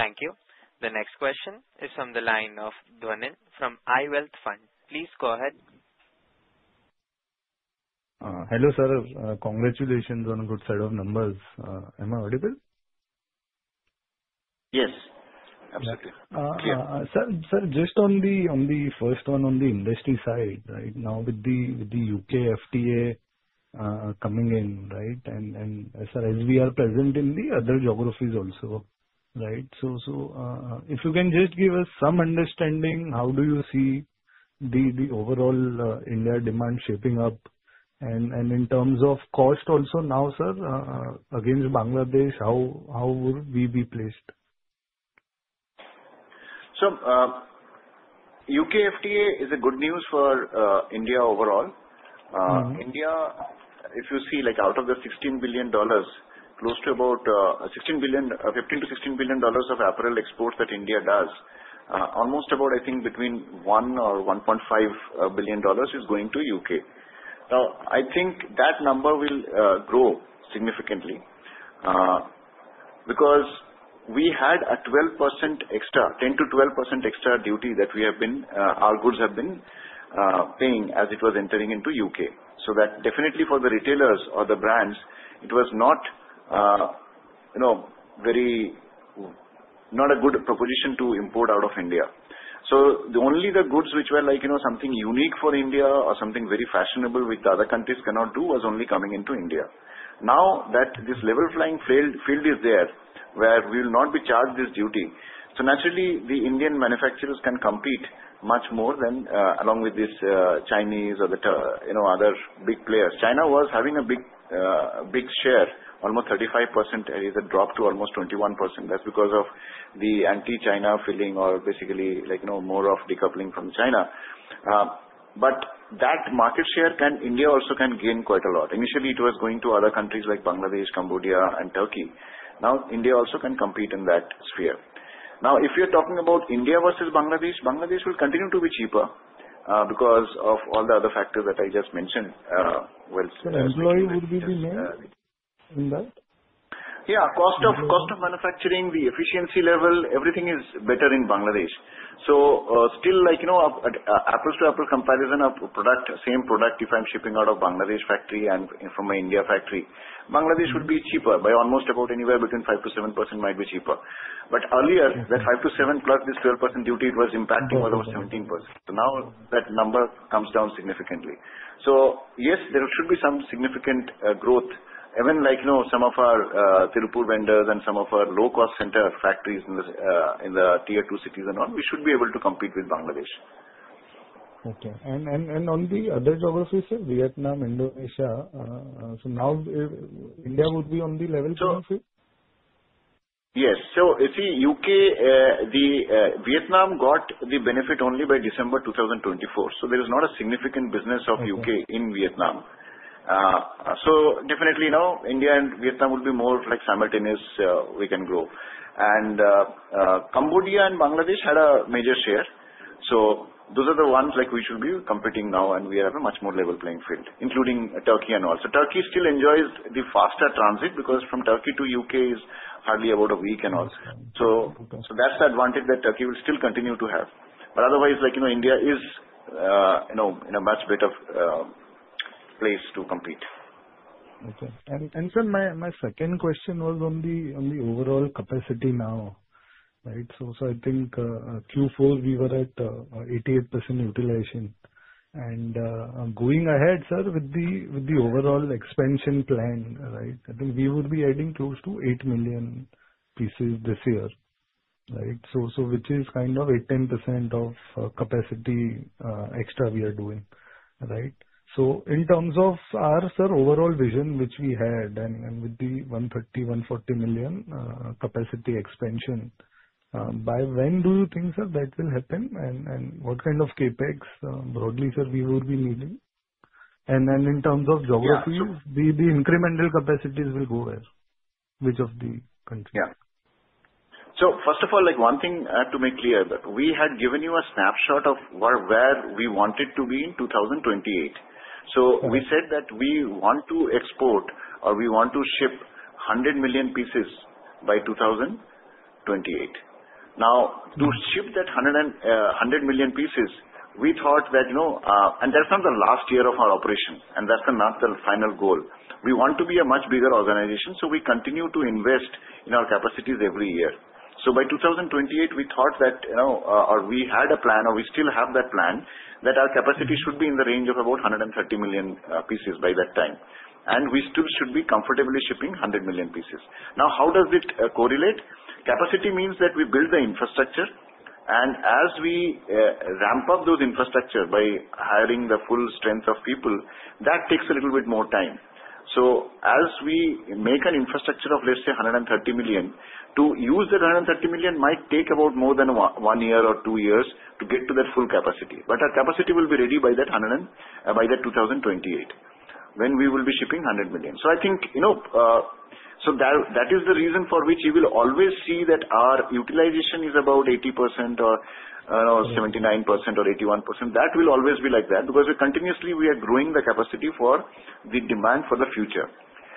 Thank you. The next question is from the line of Dhwanil from iWealth Fund. Please go ahead. Hello sir. Congratulations on a good set of numbers. Am I audible? Yes. Absolutely. Sir, just on the first one, on the industry side, right now with the U.K. FTA coming in, right? And sir, as we are present in the other geographies also, right? So if you can just give us some understanding, how do you see the overall India demand shaping up? And in terms of cost also now, sir, against Bangladesh, how would we be placed? U.K. FTA is good news for India overall. India, if you see, out of the $16 billion, close to about $15 billion to $16 billion of apparel exports that India does, almost about, I think, between $1 billion or $1.5 billion is going to U.K. Now, I think that number will grow significantly because we had a 12% extra, 10% to 12% extra duty that our goods have been paying as it was entering into U.K., So that definitely for the retailers or the brands, it was not very not a good proposition to import out of India. So only the goods which were like something unique for India or something very fashionable which the other countries cannot do was only coming into India. Now that this level playing field is there where we will not be charged this duty, so naturally, the Indian manufacturers can compete much more than along with this Chinese or the other big players. China was having a big share, almost 35%, and it had dropped to almost 21%. That's because of the anti-China feeling or basically more of decoupling from China. But that market share can India also gain quite a lot. Initially, it was going to other countries like Bangladesh, Cambodia, and Turkey. Now, India also can compete in that sphere. Now, if you're talking about India versus Bangladesh, Bangladesh will continue to be cheaper because of all the other factors that I just mentioned. Employee would be the main in that? Yeah. Cost of manufacturing, the efficiency level, everything is better in Bangladesh. So still, like apples to apples comparison of product, same product, if I'm shipping out of Bangladesh factory and from an India factory, Bangladesh would be cheaper by almost about anywhere between 5% to 7% might be cheaper. But earlier, that 5% to 7% plus this 12% duty, it was impacting more than 17%. So now that number comes down significantly. So yes, there should be some significant growth. Even like some of our Tirupur vendors and some of our low-cost center factories in the tier two cities and all, we should be able to compete with Bangladesh. Okay. And on the other geographies, sir, Vietnam, Indonesia, so now India would be on the level playing field? Yes. So see, U.K., Vietnam got the benefit only by December 2024. So there is not a significant business of U.K., in Vietnam. So definitely now, India and Vietnam would be more like simultaneously we can grow. And Cambodia and Bangladesh had a major share. So those are the ones like we should be competing now, and we have a much more level playing field, including Turkey and all. So Turkey still enjoys the faster transit because from Turkey to U.K., is hardly about a week and all. So that's the advantage that Turkey will still continue to have. But otherwise, India is in a much better place to compete. Okay. And sir, my second question was on the overall capacity now, right? So I think Quarter four, we were at 88% utilization. And going ahead, sir, with the overall expansion plan, right, I think we would be adding close to 8 million pieces this year, right? So which is kind of 8% to 10% of capacity extra we are doing, right? So in terms of our, sir, overall vision, which we had and with the 130 million to 140 million capacity expansion, by when do you think, sir, that will happen? And what kind of CapEx, broadly, sir, we would be needing? And then in terms of geographies, the incremental capacities will go where? Which of the countries? Yeah. So first of all, one thing I have to make clear that we had given you a snapshot of where we wanted to be in 2028. So we said that we want to export or we want to ship 100 million pieces by 2028. Now, to ship that 100 million pieces, we thought that and that's not the last year of our operation, and that's not the final goal. We want to be a much bigger organization, so we continue to invest in our capacities every year. By 2028, we thought that or we had a plan or we still have that plan that our capacity should be in the range of about 130 million pieces by that time. And we still should be comfortably shipping 100 million pieces. Now, how does it correlate? Capacity means that we build the infrastructure. And as we ramp up those infrastructures by hiring the full strength of people, that takes a little bit more time. So as we make an infrastructure of, let's say, 130 million, to use that 130 million might take about more than one year or two years to get to that full capacity. But our capacity will be ready by that 2028 when we will be shipping 100 million. So I think so that is the reason for which you will always see that our utilization is about 80% or 79% or 81%. That will always be like that because continuously we are growing the capacity for the demand for the future.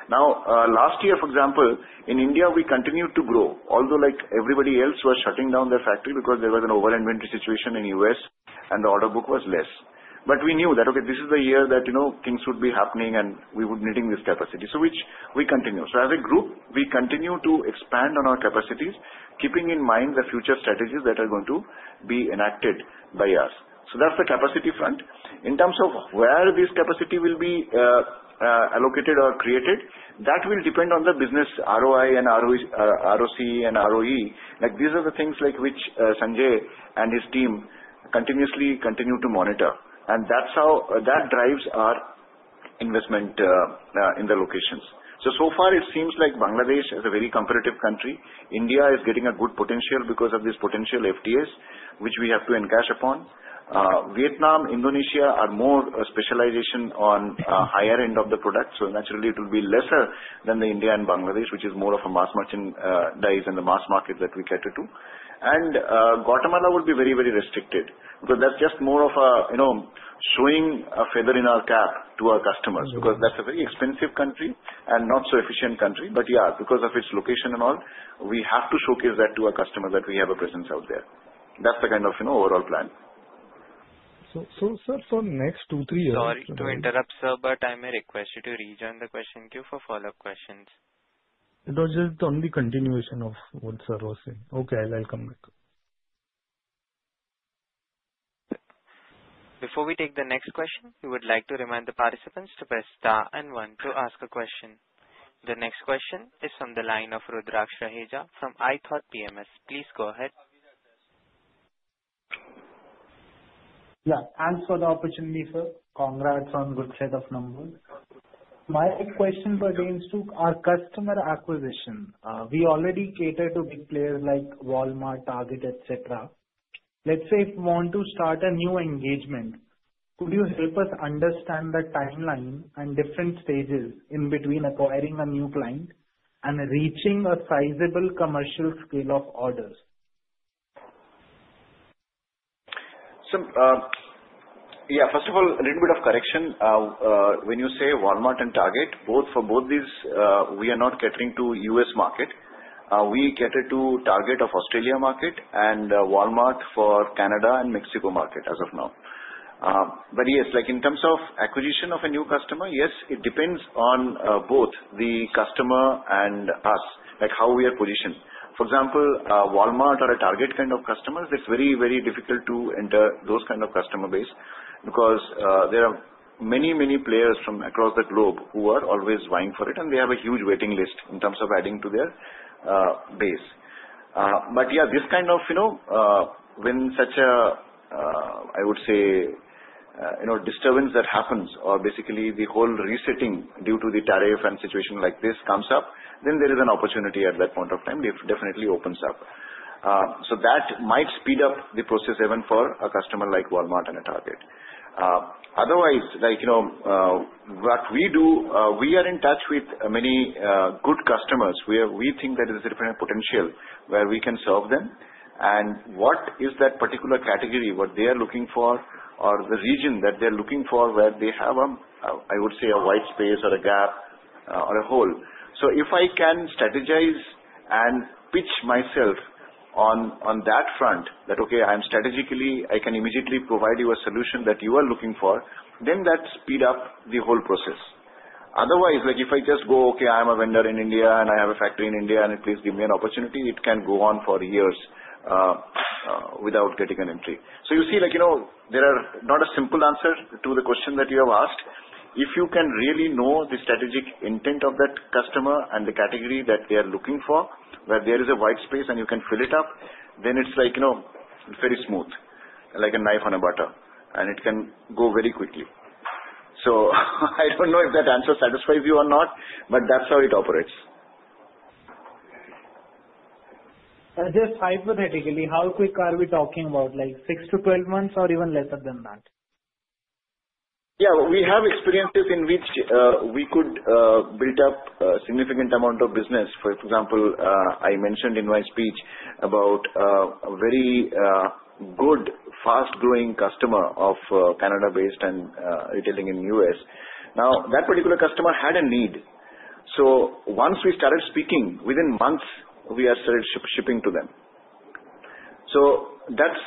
Now, last year, for example, in India, we continued to grow, although everybody else was shutting down their factory because there was an over-inventory situation in the U.S., and the order book was less, but we knew that, okay, this is the year that things would be happening and we would need this capacity, so we continue, so as a group, we continue to expand on our capacities, keeping in mind the future strategies that are going to be enacted by us, so that's the capacity front. In terms of where this capacity will be allocated or created, that will depend on the business ROI and ROCE and ROE. These are the things which Sanjay and his team continuously continue to monitor, and that drives our investment in the locations. So so far, it seems like Bangladesh is a very competitive country. India is getting a good potential because of this potential FTAs, which we have to encash upon. Vietnam, Indonesia are more specialization on higher end of the product, so naturally, it will be lesser than the India and Bangladesh, which is more of a mass merchandise and the mass market that we cater to, and Guatemala will be very, very restricted because that's just more of a showing a feather in our cap to our customers because that's a very expensive country and not so efficient country, but yeah, because of its location and all, we have to showcase that to our customers that we have a presence out there. That's the kind of overall plan. So, sir, for next two, three years. Sorry to interrupt, sir, but I may request you to rejoin the question queue for follow-up questions. It was just the only continuation of what sir was saying. Okay, I'll come back. Before we take the next question, we would like to remind the participants to press star and one to ask a question. The next question is from the line of Rudraksh Raheja from iThought PMS. Please go ahead. Yeah. Thanks for the opportunity, sir. Congrats on a good set of numbers. My question pertains to our customer acquisition. We already cater to big players like Walmart, Target, etc. Let's say if we want to start a new engagement, could you help us understand the timeline and different stages in between acquiring a new client and reaching a sizable commercial scale of orders? So yeah, first of all, a little bit of correction. When you say Walmart and Target, for both these, we are not catering to U.S., market. We cater to Target Australia market and Walmart for Canada and Mexico market as of now. But yes, in terms of acquisition of a new customer, yes, it depends on both the customer and us, how we are positioned. For example, Walmart or a Target kind of customers, it's very, very difficult to enter those kind of customer base because there are many, many players from across the globe who are always vying for it, and they have a huge waiting list in terms of adding to their base. Yeah, this kind of when such a, I would say, disturbance that happens or basically the whole resetting due to the tariff and situation like this comes up, then there is an opportunity at that point of time definitely opens up. So that might speed up the process even for a customer like Walmart and a Target. Otherwise, what we do, we are in touch with many good customers. We think that there's a different potential where we can serve them. And what is that particular category, what they are looking for, or the region that they're looking for where they have, I would say, a white space or a gap or a hole. So if I can strategize and pitch myself on that front that, okay, I can immediately provide you a solution that you are looking for, then that speeds up the whole process. Otherwise, if I just go, okay, I'm a vendor in India and I have a factory in India, and please give me an opportunity, it can go on for years without getting an entry. So you see, there is not a simple answer to the question that you have asked. If you can really know the strategic intent of that customer and the category that they are looking for, where there is a white space and you can fill it up, then it's very smooth, like a knife through butter, and it can go very quickly. So I don't know if that answer satisfies you or not, but that's how it operates. Just hypothetically, how quick are we talking about, like six to 12 months or even less than that? Yeah. We have experiences in which we could build up a significant amount of business. For example, I mentioned in my speech about a very good, fast-growing customer of Canada-based and retailing in the U.S. Now, that particular customer had a need. So once we started speaking, within months, we are shipping to them. So that's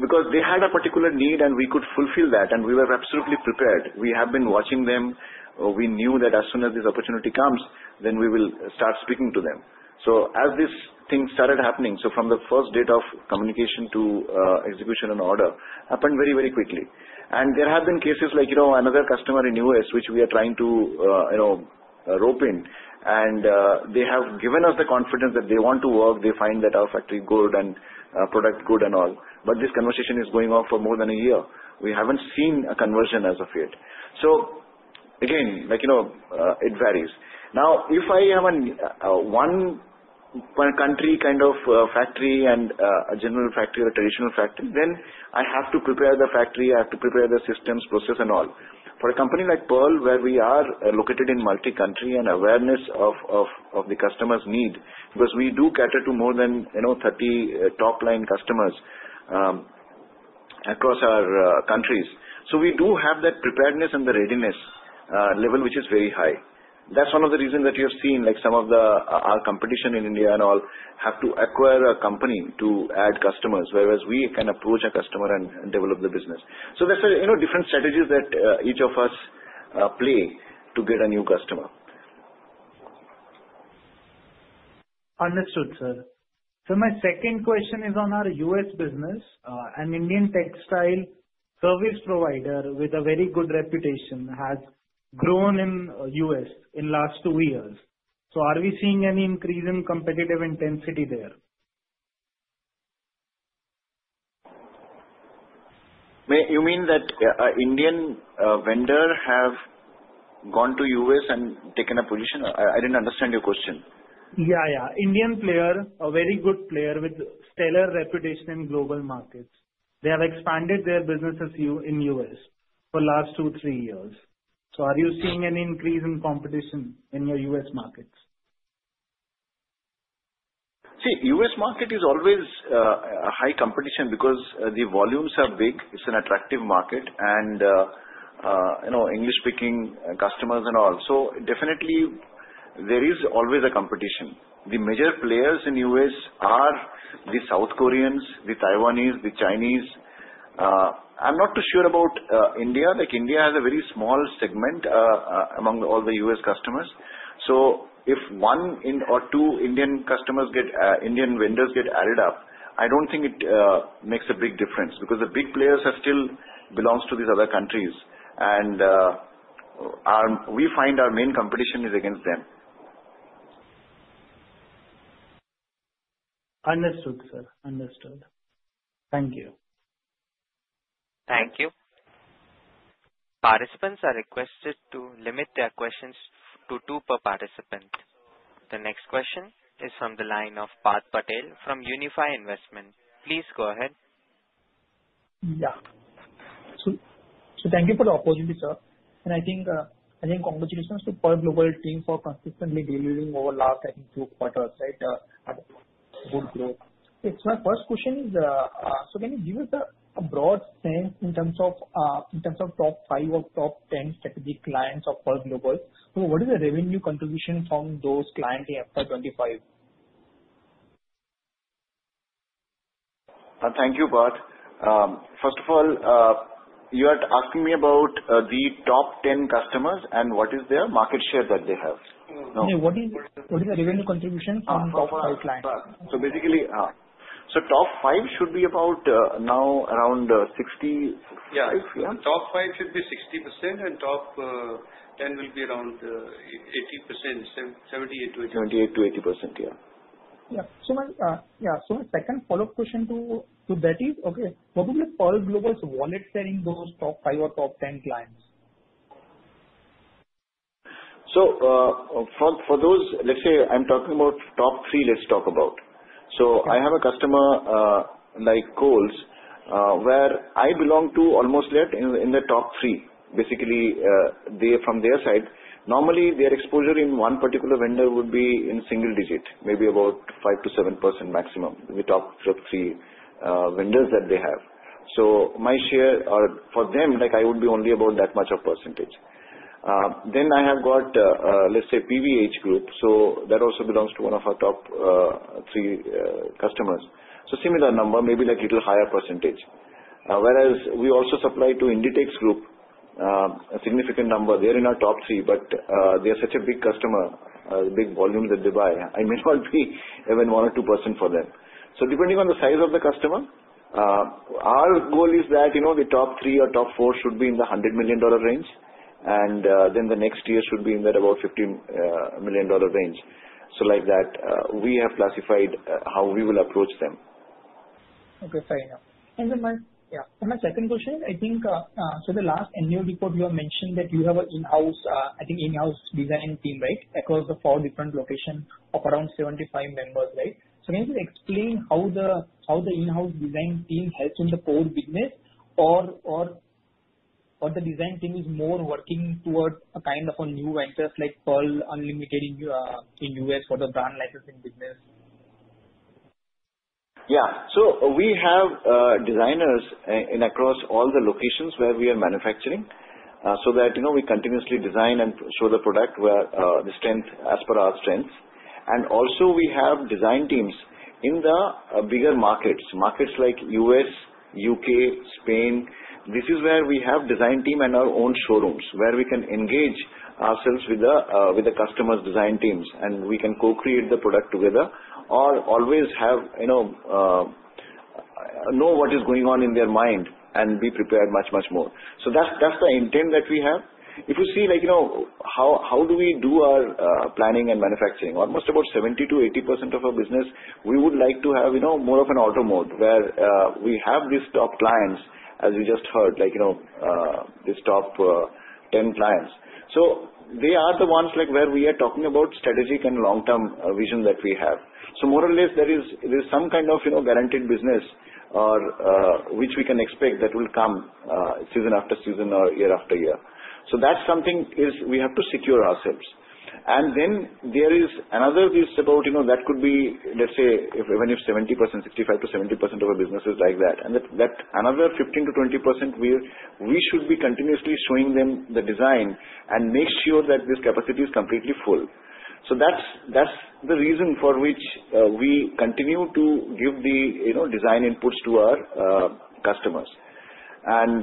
because they had a particular need, and we could fulfill that, and we were absolutely prepared. We have been watching them. We knew that as soon as this opportunity comes, then we will start speaking to them. So as this thing started happening, so from the first date of communication to execution and order happened very, very quickly. And there have been cases like another customer in the U.S., which we are trying to rope in, and they have given us the confidence that they want to work. They find that our factory is good and product is good and all. This conversation is going on for more than a year. We haven't seen a conversion as of yet. Again, it varies. Now, if I have a one-country kind of factory and a general factory or a traditional factory, then I have to prepare the factory. I have to prepare the systems, process, and all. For a company like Pearl, where we are located in multi-country and awareness of the customer's need, because we do cater to more than 30 top-line customers across our countries, so we do have that preparedness and the readiness level, which is very high. That's one of the reasons that you have seen some of our competition in India and all have to acquire a company to add customers, whereas we can approach a customer and develop the business. There are different strategies that each of us play to get a new customer. Understood, sir. So my second question is on our U.S., business. An Indian textile service provider with a very good reputation has grown in the US in the last two years. So are we seeing any increase in competitive intensity there? You mean that Indian vendors have gone to the U.S., and taken a position? I didn't understand your question. Yeah, yeah. Indian player, a very good player with stellar reputation in global markets. They have expanded their businesses in the US for the last two, three years. So are you seeing any increase in competition in your U.S., markets? See, the US market is always high competition because the volumes are big. It's an attractive market and English-speaking customers and all. So definitely, there is always a competition. The major players in the U.S., are the South Koreans, the Taiwanese, the Chinese. I'm not too sure about India. India has a very small segment among all the U.S., customers. So if one or two Indian vendors get added up, I don't think it makes a big difference because the big players still belong to these other countries. And we find our main competition is against them. Understood, sir. Understood. Thank you. Thank you. Participants are requested to limit their questions to two per participant. The next question is from the line of Parth Patel from Unifi Capital. Please go ahead. Yeah. So thank you for the opportunity, sir. And I think congratulations to Pearl Global team for consistently delivering over the last, I think, two quarters, right, good growth. So my first question is, so can you give us a broad sense in terms of top five or top 10 strategic clients of Pearl Global? So what is the revenue contribution from those clients in FY25? Thank you, Parth. First of all, you are asking me about the top 10 customers and what is their market share that they have? No. What is the revenue contribution from top 5 clients? So basically, so top 5 should be about now around 65, yeah? Top 5 should be 60%, and top 10 will be around 80%, 78% to 80%. 78% to 80%, yeah. Yeah. So my second follow-up question to that is, okay, what would be Pearl Global's wallet sharing those top 5 or top 10 clients? So for those, let's say I'm talking about top 3, let's talk about. So I have a customer like Kohl's, where I belong to almost in the top 3, basically, from their side. Normally, their exposure in one particular vendor would be in single digit, maybe about 5% to 7% maximum. We talked of three vendors that they have. So my share for them, I would be only about that much of percentage. Then I have got, let's say, PVH Group. So that also belongs to one of our top 3 customers. So similar number, maybe a little higher percentage. Whereas we also supply to Inditex Group, a significant number. They are in our top 3, but they are such a big customer, big volumes that they buy. I may not be even 1% or 2% for them. So depending on the size of the customer, our goal is that the top 3 or top 4 should be in the $100 million range, and then the next tier should be in that about $15 million range. So like that, we have classified how we will approach them. Okay, fair enough. My second question, I think so the last annual report, you have mentioned that you have an in-house, I think in-house design team, right, across the four different locations of around 75 members, right? Can you explain how the in-house design team helps in the core business, or the design team is more working towards a kind of a new venture like Pearl Unlimited in the US for the brand licensing business? Yeah. We have designers across all the locations where we are manufacturing so that we continuously design and show the product where the strength, as per our strengths. Also, we have design teams in the bigger markets like U.S., U.K., Spain. This is where we have design teams and our own showrooms where we can engage ourselves with the customers' design teams, and we can co-create the product together or always know what is going on in their mind and be prepared much, much more. So that's the intent that we have. If you see how do we do our planning and manufacturing, almost about 70% to 80% of our business, we would like to have more of an auto mode where we have these top clients, as you just heard, these top 10 clients. So they are the ones where we are talking about strategic and long-term vision that we have. So more or less, there is some kind of guaranteed business which we can expect that will come season after season or year after year. So that's something we have to secure ourselves. And then there is another piece about that could be, let's say, even if 70%, 65% to 70% of our business is like that. And that another 15% to 20%, we should be continuously showing them the design and make sure that this capacity is completely full. So that's the reason for which we continue to give the design inputs to our customers. And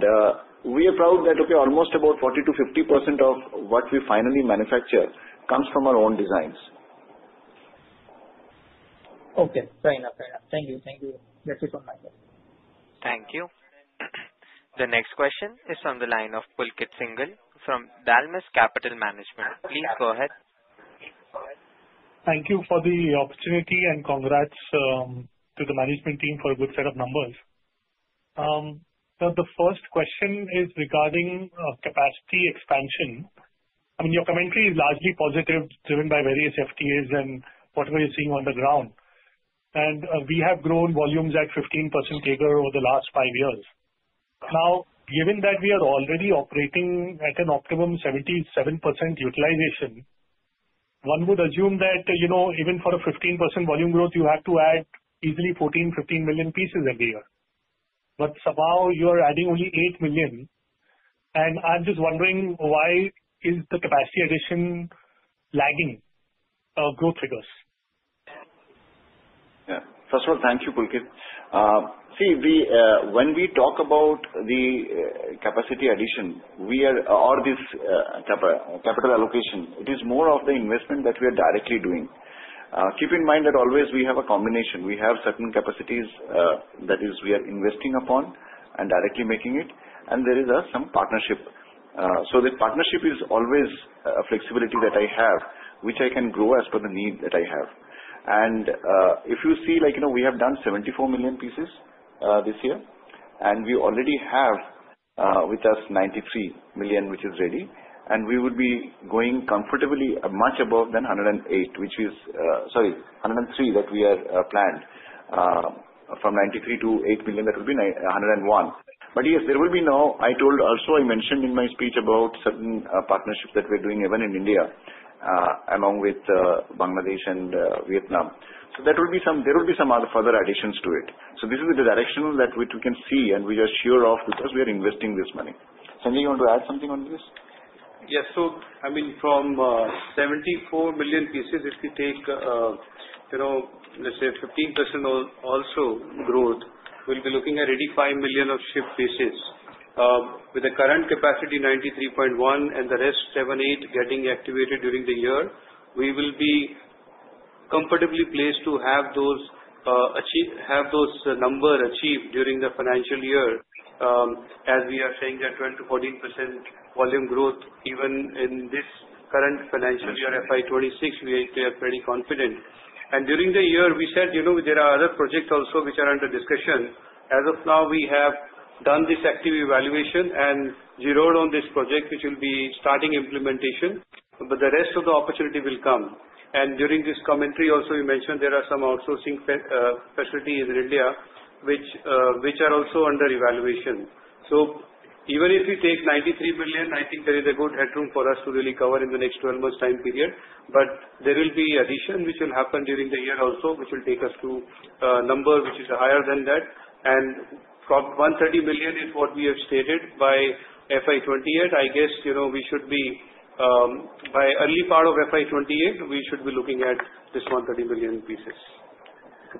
we are proud that, okay, almost about 40% to 50% of what we finally manufacture comes from our own designs. Okay. Fair enough, fair enough. Thank you. Thank you. That's it from my side. Thank you. The next question is from the line of Pulkit Singhal from Dalmus Capital Management. Please go ahead. Thank you for the opportunity and congrats to the management team for a good set of numbers. So the first question is regarding capacity expansion. I mean, your commentary is largely positive, driven by various FTAs and whatever you're seeing on the ground, and we have grown volumes at 15% CAGR over the last five years. Now, given that we are already operating at an optimum 77% utilization, one would assume that even for a 15% volume growth, you have to add easily 14 million to 15 million pieces every year. But somehow you are adding only 8 million, and I'm just wondering why the capacity addition is lagging growth figures? Yeah. First of all, thank you, Pulkit. See, when we talk about the capacity addition or this capital allocation, it is more of the investment that we are directly doing. Keep in mind that always we have a combination. We have certain capacities that we are investing upon and directly making it, and there is some partnership. So the partnership is always a flexibility that I have, which I can grow as per the need that I have. And if you see, we have done 74 million pieces this year, and we already have with us 93 million, which is ready. And we would be going comfortably much above than 108, which is, sorry, 103 that we have planned. From 93 to 8 million, that would be 101. But yes, there will be now. I told also. I mentioned in my speech about certain partnerships that we are doing even in India, along with Bangladesh and Vietnam. So there will be some other further additions to it. So this is the direction that we can see, and we are sure of because we are investing this money. Sandy, you want to add something on this? Yes. I mean, from 74 million pieces, if we take, let's say, 15% also growth, we'll be looking at 85 million shipped pieces. With the current capacity 93.1 and the rest 7.8 getting activated during the year, we will be comfortably placed to have those numbers achieved during the financial year. As we are saying, there are 12% to 14% volume growth. Even in this current financial year, FY26, we are pretty confident. And during the year, we said there are other projects also which are under discussion. As of now, we have done this asset evaluation and zeroed in on this project, which will be starting implementation. But the rest of the opportunity will come. And during this commentary, also, you mentioned there are some outsourcing facilities in India which are also under evaluation. So even if you take 93 million, I think there is a good headroom for us to really cover in the next 12 months' time period. But there will be additions which will happen during the year also, which will take us to a number which is higher than that. And 130 million is what we have stated by FY28. I guess we should be by early part of FY28, we should be looking at this 130 million pieces.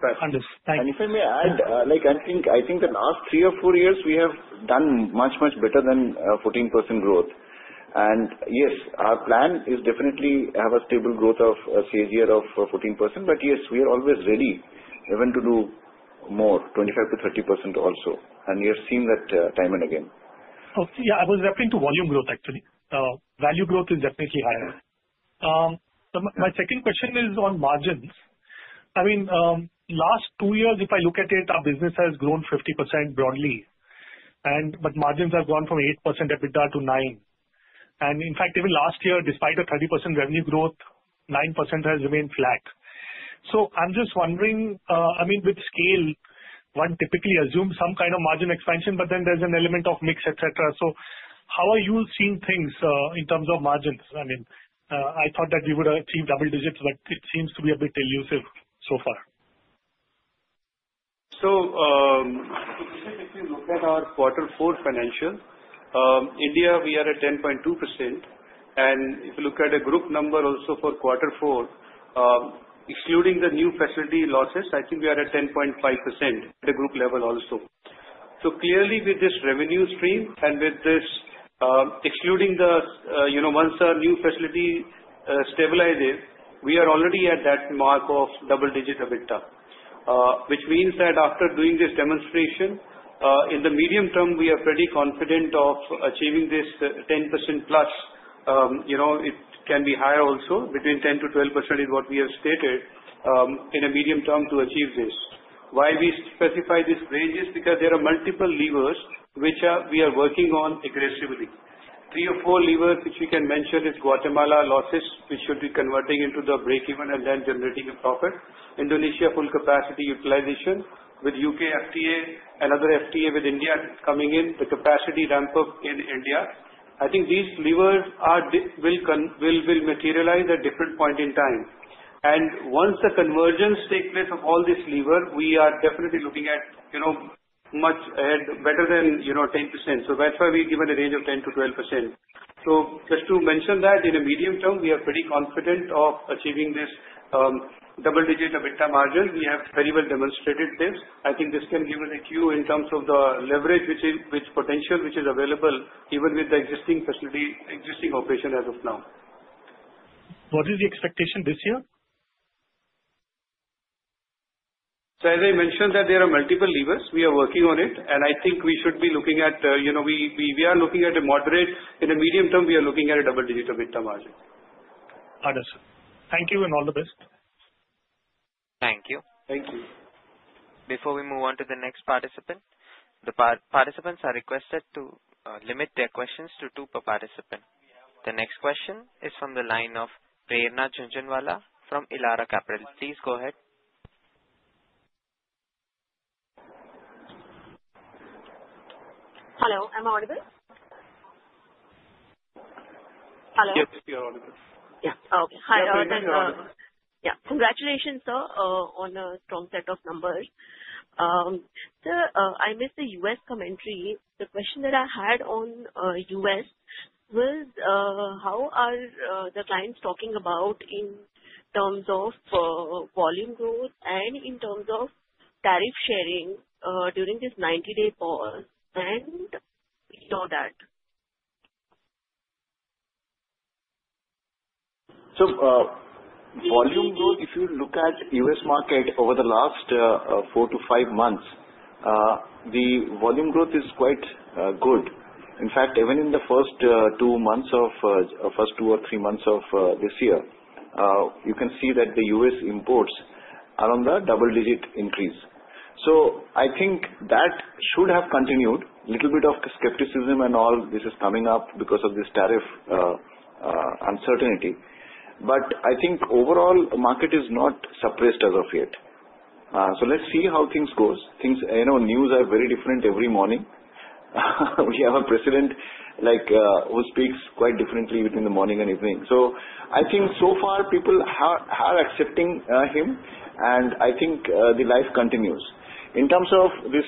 Understood. Thank you. And if I may add, I think the last three or four years, we have done much, much better than 14% growth. And yes, our plan is definitely to have a stable growth of a CAGR of 14%. But yes, we are always ready even to do more, 25% to 30% also. And we have seen that time and again. Yeah. I was referring to volume growth, actually. Value growth is definitely higher. My second question is on margins. I mean, last two years, if I look at it, our business has grown 50% broadly. But margins have gone from 8% EBITDA to 9%. And in fact, even last year, despite a 30% revenue growth, 9% has remained flat. So I'm just wondering, I mean, with scale, one typically assumes some kind of margin expansion, but then there's an element of mix, etc. So how are you seeing things in terms of margins? I mean, I thought that we would achieve double digits, but it seems to be a bit elusive so far. So if you look at our quarter four financial, India, we are at 10.2%. If you look at the group number also for quarter four, excluding the new facility losses, I think we are at 10.5% at the group level also. So clearly, with this revenue stream and with this excluding the once a new facility stabilizes, we are already at that mark of double digit EBITDA, which means that after doing this demonstration, in the medium term, we are pretty confident of achieving this 10% plus. It can be higher also. Between 10%-12% is what we have stated in a medium term to achieve this. Why we specify this range is because there are multiple levers which we are working on aggressively. Three or four levers which we can mention is Guatemala losses, which should be converting into the breakeven and then generating a profit. Indonesia full capacity utilization with U.K., FTA and other FTA with India coming in, the capacity ramp-up in India. I think these levers will materialize at different points in time. And once the convergence takes place of all these levers, we are definitely looking at much better than 10%. So that's why we've given a range of 10% to 12%. So just to mention that, in a medium term, we are pretty confident of achieving this double digit EBITDA margin. We have very well demonstrated this. I think this can give us a cue in terms of the leverage, which potential is available even with the existing facility, existing operation as of now. What is the expectation this year? So as I mentioned, there are multiple levers. We are working on it. And I think we should be looking at we are looking at a moderate in a medium term, we are looking at a double digit EBITDA margin. Understood. Thank you and all the best. Thank you. Thank you. Before we move on to the next participant, the participants are requested to limit their questions to two per participant. The next question is from the line of Prerna Jhunjhunwala from Elara Capital. Please go ahead. Hello. Am I audible? Hello. Yes, you're audible. Yeah. Okay. Hi, I can hear you. Yeah. Congratulations, sir, on a strong set of numbers. Sir, I missed the US commentary. The question that I had on US was how are the clients talking about in terms of volume growth and in terms of tariff sharing during this 90-day pause and beyond that? So volume growth, if you look at the U.S., market over the last four to five months, the volume growth is quite good. In fact, even in the first two or three months of this year, you can see that the U.S., imports are on the double digit increase. So I think that should have continued. A little bit of skepticism and all this is coming up because of this tariff uncertainty. But I think overall, the market is not suppressed as of yet. So let's see how things go. News are very different every morning. We have a President who speaks quite differently between the morning and evening. So I think so far, people are accepting him. And I think the life continues. In terms of this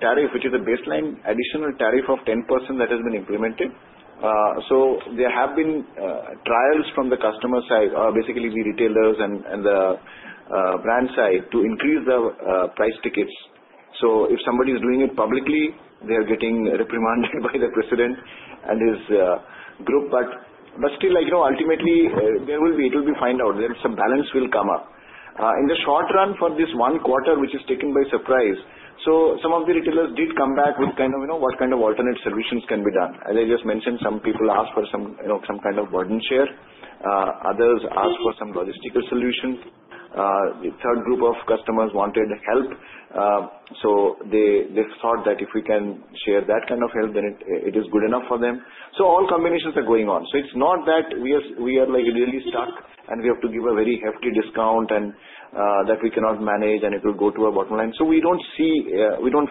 tariff, which is a baseline additional tariff of 10% that has been implemented. So there have been trials from the customer side, basically the retailers and the brand side, to increase the price tickets. So if somebody is doing it publicly, they are getting reprimanded by the President and his group. But still, ultimately, it will be found out. There's a balance will come up. In the short run for this one quarter, which is taken by surprise, some of the retailers did come back with kind of what kind of alternate solutions can be done. As I just mentioned, some people asked for some kind of burden share. Others asked for some logistical solutions. The third group of customers wanted help. So they thought that if we can share that kind of help, then it is good enough for them. So all combinations are going on. So it's not that we are really stuck and we have to give a very hefty discount and that we cannot manage and it will go to a bottom line. So we don't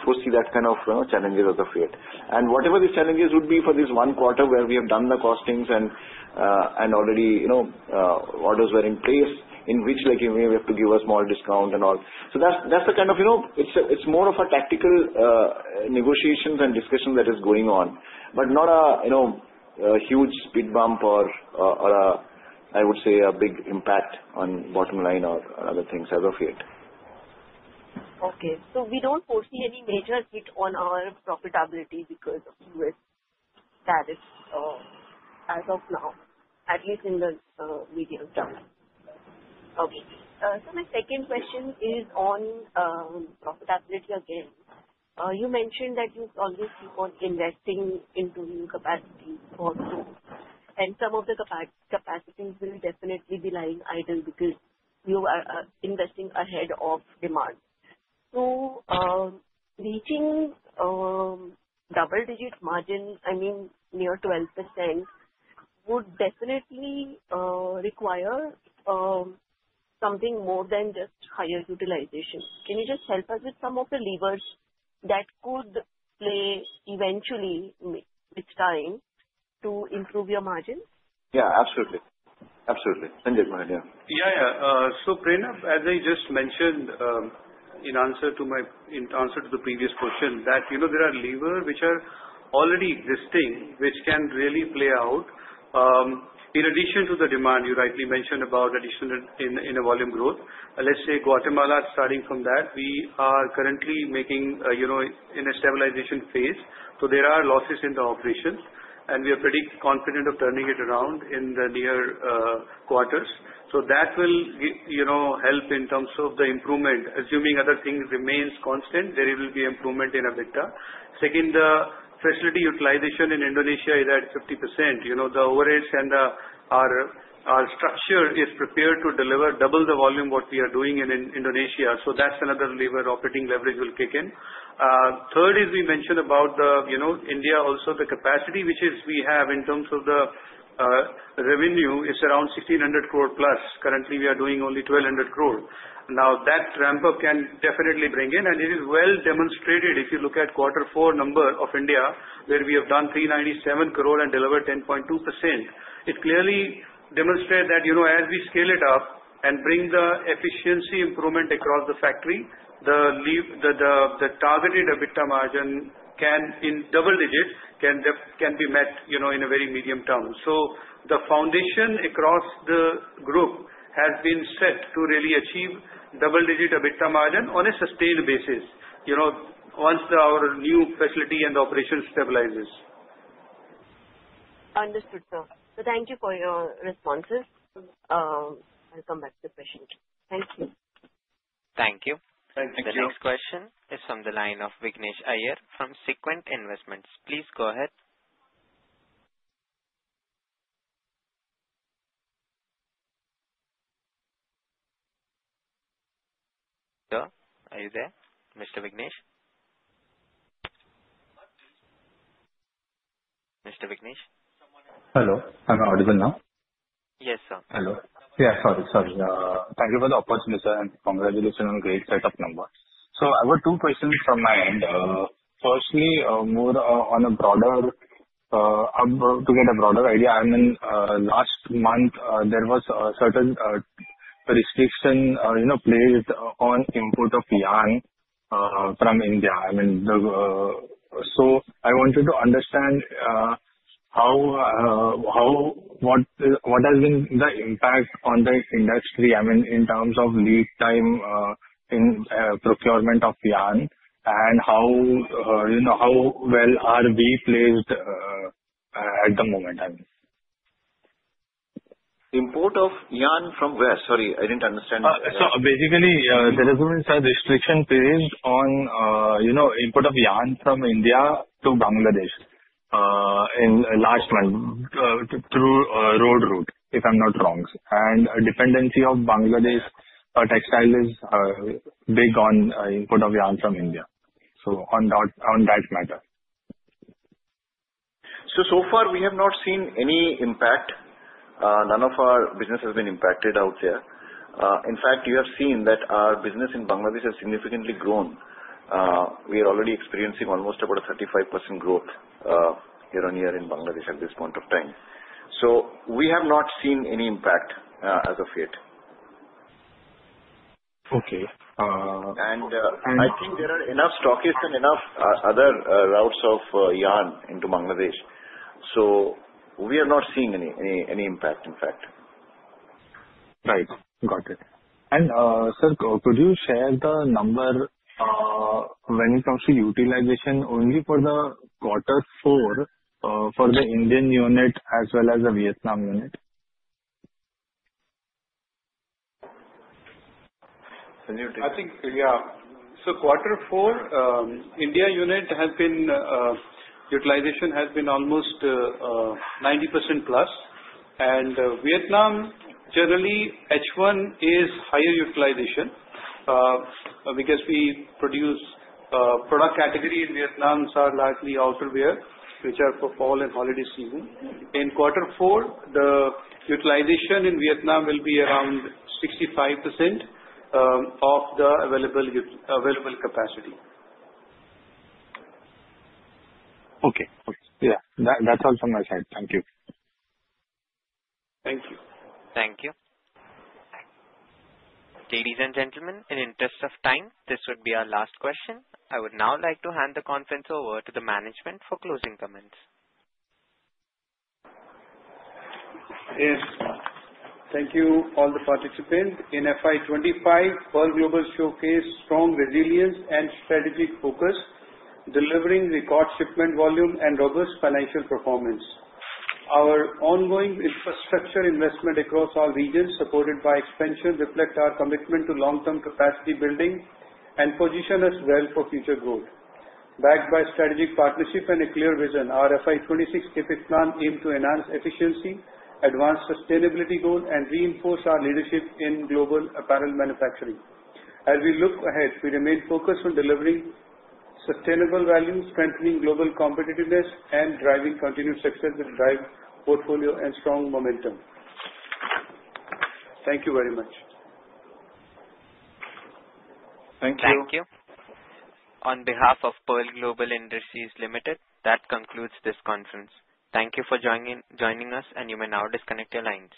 foresee that kind of challenges as of yet. And whatever the challenges would be for this one quarter where we have done the costings and already orders were in place in which we have to give a small discount and all. So that's the kind of it's more of a tactical negotiations and discussion that is going on, but not a huge speed bump or, I would say, a big impact on bottom line or other things as of yet. Okay. So we don't foresee any major hit on our profitability because of U.S., tariffs as of now, at least in the medium term. Okay. So my second question is on profitability again. You mentioned that you always keep on investing into new capacity also. And some of the capacity will definitely be lying idle because you are investing ahead of demand. Reaching double-digit margin, I mean, near 12%, would definitely require something more than just higher utilization. Can you just help us with some of the levers that could play eventually with time to improve your margins? Yeah. Absolutely. Absolutely. Sandy has one idea. Yeah. Yeah. Prayerna, as I just mentioned in answer to the previous question, there are levers which are already existing which can really play out. In addition to the demand, you rightly mentioned about additional volume growth. Let's say Guatemala starting from that. We are currently in a stabilization phase. So there are losses in the operations. We are pretty confident of turning it around in the near quarters. That will help in terms of the improvement. Assuming other things remain constant, there will be improvement in EBITDA. Second, the facility utilization in Indonesia is at 50%. The overheads and the structure is prepared to deliver double the volume what we are doing in Indonesia. That's another lever. Operating leverage will kick in. Third is we mentioned about the India also the capacity which we have in terms of the revenue is around 1,600 crore plus. Currently, we are doing only 1,200 crore. Now, that ramp-up can definitely bring in. It is well demonstrated if you look at quarter four number of India, where we have done 397 crore and delivered 10.2%. It clearly demonstrates that as we scale it up and bring the efficiency improvement across the factory, the targeted EBITDA margin in double digit can be met in a very medium term. So the foundation across the group has been set to really achieve double digit EBITDA margin on a sustained basis once our new facility and operation stabilizes. Understood, sir. So thank you for your responses. I'll come back to the question. Thank you. Thank you. The next question is from the line of Vignesh Iyer from Sequent Investments. Please go ahead. Sir, are you there? Mr. Vignesh? Mr. Vignesh? Hello. Am I audible now? Yes, sir. Hello. Yeah. Sorry. Sorry. Thank you for the opportunity, sir. And congratulations on a great setup number. So I have two questions from my end. Firstly, more on a broader to get a broader idea. I mean, last month, there was a certain restriction placed on import of yarn from India. I mean, so I wanted to understand what has been the impact on the industry, I mean, in terms of lead time in procurement of yarn and how well are we placed at the moment, I mean. Import of yarn from where? Sorry, I didn't understand. So basically, there has been some restriction placed on import of yarn from India to Bangladesh in last month through road route, if I'm not wrong. And dependency of Bangladesh textile is big on import of yarn from India. So on that matter. So so far, we have not seen any impact. None of our business has been impacted out there. In fact, you have seen that our business in Bangladesh has significantly grown. We are already experiencing almost about a 35% growth year on year in Bangladesh at this point of time. So we have not seen any impact as of yet. Okay. And I think there are enough stockists and enough other routes of yarn into Bangladesh. So we are not seeing any impact, in fact. Right. Got it. And sir, could you share the number when it comes to utilization only for the quarter four for the Indian unit as well as the Vietnam unit? I think, yeah. So quarter four, India unit utilization has been almost 90% plus. And Vietnam, generally, H1 is higher utilization because we produce product category in Vietnam, sir largely outerwear, which are for fall and holiday season. In quarter four, the utilization in Vietnam will be around 65% of the available capacity. Okay. Okay. Yeah. That's all from my side. Thank you. Thank you. Thank you. Ladies and gentlemen, in interest of time, this would be our last question. I would now like to hand the conference over to the management for closing comments. Thank you, all the participants. In FY25, Pearl Global showcased strong resilience and strategic focus, delivering record shipment volume and robust financial performance. Our ongoing infrastructure investment across all regions supported by expansion reflects our commitment to long-term capacity building and position as well for future growth. Backed by strategic partnership and a clear vision, our FY26 CapEx plan aims to enhance efficiency, advance sustainability goals, and reinforce our leadership in global apparel manufacturing. As we look ahead, we remain focused on delivering sustainable value, strengthening global competitiveness, and driving continued success with diverse portfolio and strong momentum. Thank you very much. Thank you. Thank you. On behalf of Pearl Global Industries Limited, that concludes this conference. Thank you for joining us, and you may now disconnect your lines.